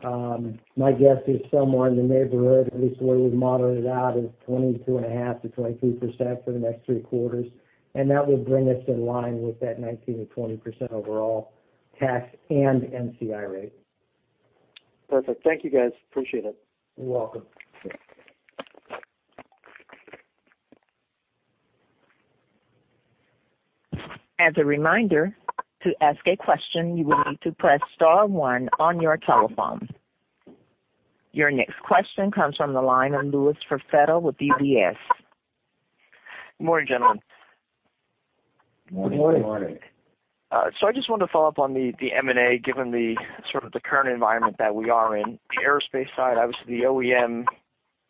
My guess is somewhere in the neighborhood, at least the way we've moderated out, is 22.5%-23% for the next three quarters, and that will bring us in line with that 19%-20% overall tax and NCI rate. Perfect. Thank you, guys. Appreciate it. You're welcome. As a reminder, to ask a question, you will need to press star one on your telephone. Your next question comes from the line of Louis Raffetto with UBS. Good morning, gentlemen. Good morning. Good morning. I just wanted to follow up on the M&A, given the sort of the current environment that we are in. The aerospace side, obviously the OEM, there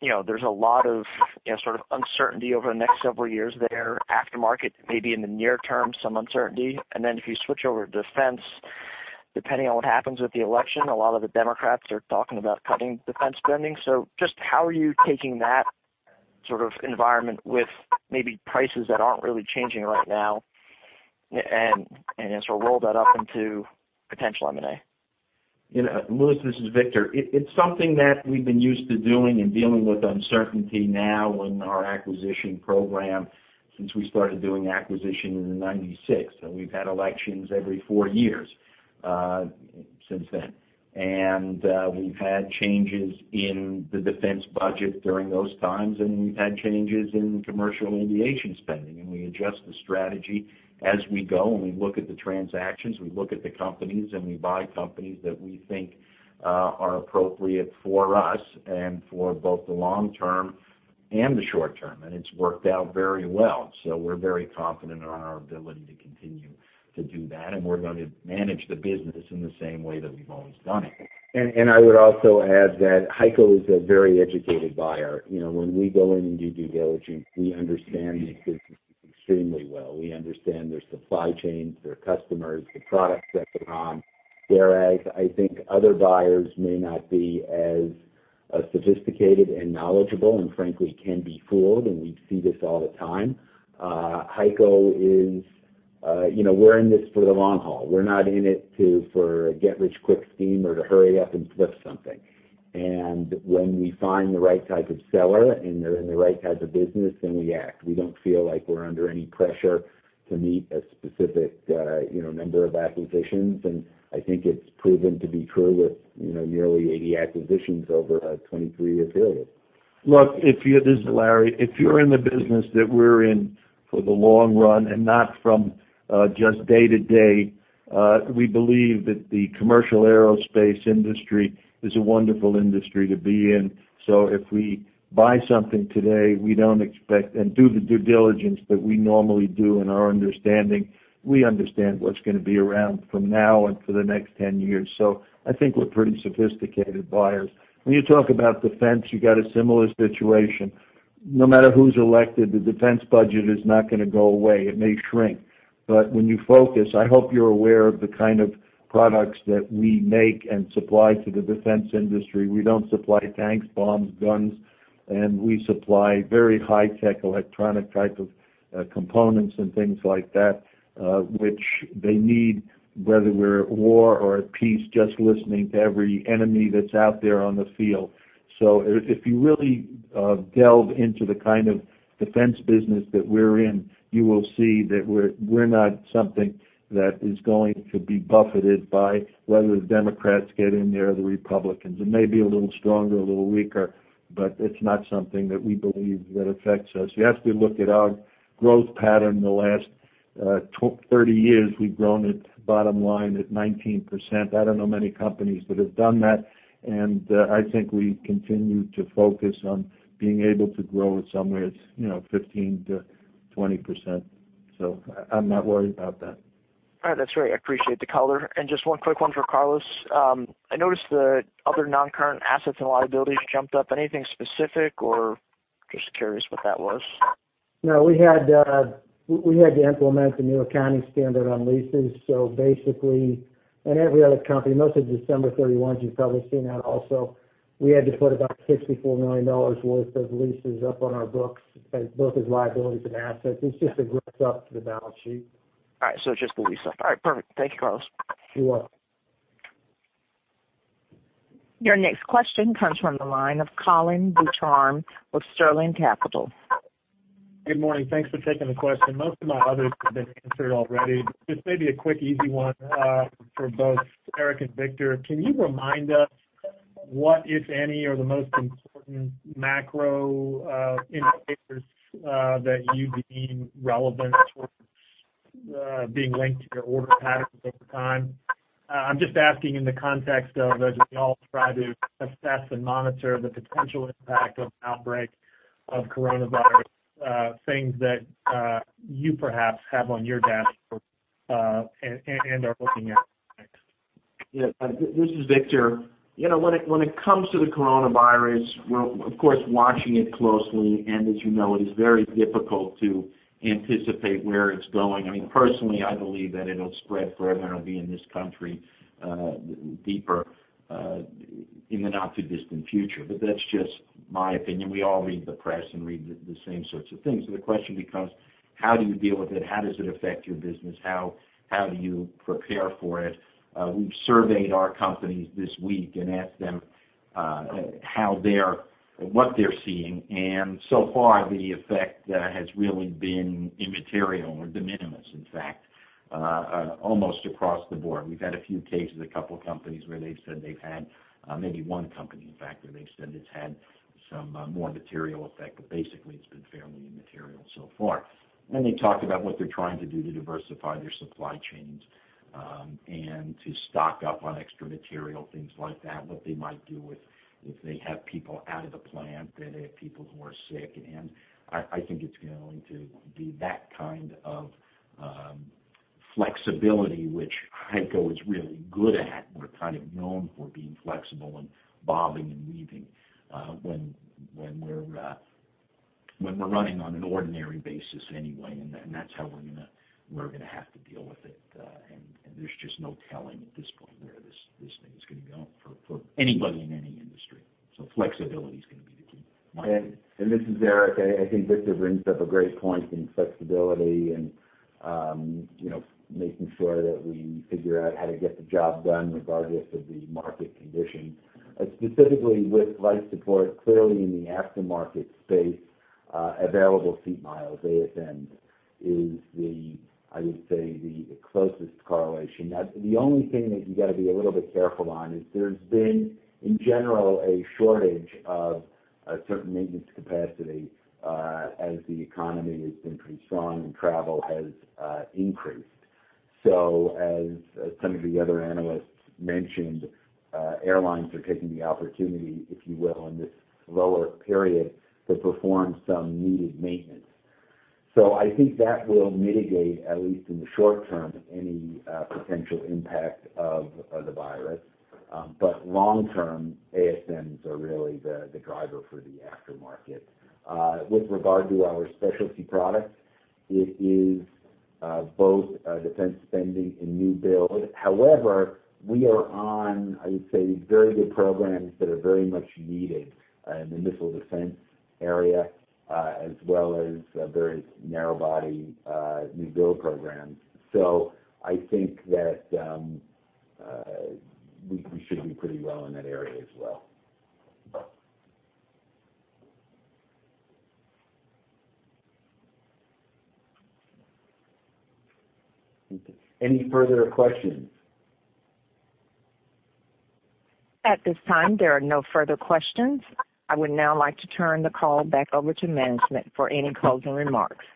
is a lot of uncertainty over the next several years there. Aftermarket, maybe in the near term, some uncertainty. If you switch over to defense, depending on what happens with the election, a lot of the Democrats are talking about cutting defense spending. Just how are you taking that sort of environment with maybe prices that aren't really changing right now, and sort of roll that up into potential M&A? Louis, this is Victor. It's something that we've been used to doing and dealing with uncertainty now in our acquisition program since we started doing acquisition in 1996. We've had elections every four years since then. We've had changes in the defense budget during those times. We've had changes in commercial aviation spending. We adjust the strategy as we go. We look at the transactions, we look at the companies, and we buy companies that we think are appropriate for us and for both the long term and the short term. It's worked out very well. We're very confident on our ability to continue to do that. We're going to manage the business in the same way that we've always done it. I would also add that HEICO is a very educated buyer. When we go in and do due diligence, we understand these businesses extremely well. We understand their supply chains, their customers, the products that they're on. Whereas, I think other buyers may not be as sophisticated and knowledgeable, and frankly, can be fooled, and we see this all the time. HEICO, we're in this for the long haul. We're not in it for a get-rich-quick scheme or to hurry up and flip something. When we find the right type of seller and they're in the right type of business, then we act. We don't feel like we're under any pressure to meet a specific number of acquisitions, and I think it's proven to be true with nearly 80 acquisitions over a 23-year period. Look, this is Larry. If you're in the business that we're in for the long run and not from just day to day, we believe that the commercial aerospace industry is a wonderful industry to be in. If we buy something today, and do the due diligence that we normally do in our understanding, we understand what's going to be around from now and for the next 10 years. I think we're pretty sophisticated buyers. When you talk about defense, you got a similar situation. No matter who's elected, the defense budget is not going to go away. It may shrink. When you focus, I hope you're aware of the kind of products that we make and supply to the defense industry. We don't supply tanks, bombs, guns, and we supply very high-tech electronic type of components and things like that, which they need, whether we're at war or at peace, just listening to every enemy that's out there on the field. If you really delve into the kind of defense business that we're in, you will see that we're not something that is going to be buffeted by whether the Democrats get in there or the Republicans. It may be a little stronger, a little weaker, but it's not something that we believe that affects us. You have to look at our growth pattern the last 30 years. We've grown it bottom line at 19%. I don't know many companies that have done that, and I think we continue to focus on being able to grow at somewhere, 15%-20%. I'm not worried about that. All right, that's great. I appreciate the color. Just one quick one for Carlos. I noticed the other non-current assets and liabilities jumped up. Anything specific, or just curious what that was? We had to implement the new accounting standard on leases. Basically, every other company, most of the December 31, you've probably seen that also. We had to put about $64 million worth of leases up on our books, both as liabilities and assets. It's just a work up to the balance sheet. All right, it's just the lease up. All right, perfect. Thank you, Carlos. You're welcome. Your next question comes from the line of Colin Beucler with Sterling Capital. Good morning. Thanks for taking the question. Most of my others have been answered already. Just maybe a quick, easy one for both Eric and Victor. Can you remind us what, if any, are the most important macro indicators that you deem relevant towards being linked to your order patterns over time? I'm just asking in the context of, as we all try to assess and monitor the potential impact of an outbreak of coronavirus, things that you perhaps have on your dashboard, and are looking at. This is Victor. When it comes to the coronavirus, we're of course watching it closely, and as you know, it is very difficult to anticipate where it's going. Personally, I believe that it'll spread further and it'll be in this country deeper, in the not-too-distant future. That's just my opinion. We all read the press and read the same sorts of things. The question becomes, how do you deal with it? How does it affect your business? How do you prepare for it? We've surveyed our companies this week and asked them what they're seeing. So far, the effect has really been immaterial or de minimis, in fact, almost across the board. We've had a few cases, a couple of companies where they've said they've had, maybe one company, in fact, where they've said it's had some more material effect, but basically, it's been fairly immaterial so far. They talked about what they're trying to do to diversify their supply chains, and to stock up on extra material, things like that, what they might do if they have people out of the plant, they have people who are sick. I think it's going to be that kind of flexibility which HEICO is really good at. We're kind of known for being flexible and bobbing and weaving, when we're running on an ordinary basis anyway. That's how we're going to have to deal with it. There's just no telling at this point where this thing is going to go for anybody in any industry. Flexibility is going to be the key. Eric? This is Eric. I think Victor brings up a great point in flexibility and making sure that we figure out how to get the job done regardless of the market condition. Specifically with Flight Support, clearly in the aftermarket space, available seat miles, ASMs, is the, I would say, the closest correlation. The only thing that you got to be a little bit careful on is there's been, in general, a shortage of certain maintenance capacity as the economy has been pretty strong and travel has increased. As some of the other analysts mentioned, airlines are taking the opportunity, if you will, in this lower period to perform some needed maintenance. I think that will mitigate, at least in the short term, any potential impact of the virus. Long term, ASMs are really the driver for the aftermarket. With regard to our specialty products, it is both defense spending and new build. We are on, I would say, very good programs that are very much needed in the missile defense area, as well as various narrow body new build programs. I think that we should do pretty well in that area as well. Any further questions? At this time, there are no further questions. I would now like to turn the call back over to management for any closing remarks.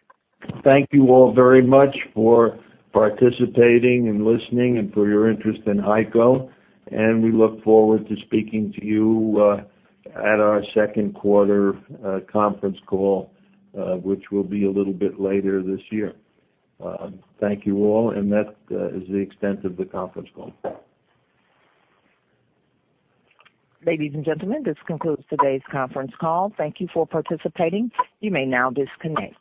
Thank you all very much for participating and listening and for your interest in HEICO. We look forward to speaking to you at our second quarter conference call, which will be a little bit later this year. Thank you all, and that is the extent of the conference call. Ladies and gentlemen, this concludes today's conference call. Thank you for participating. You may now disconnect.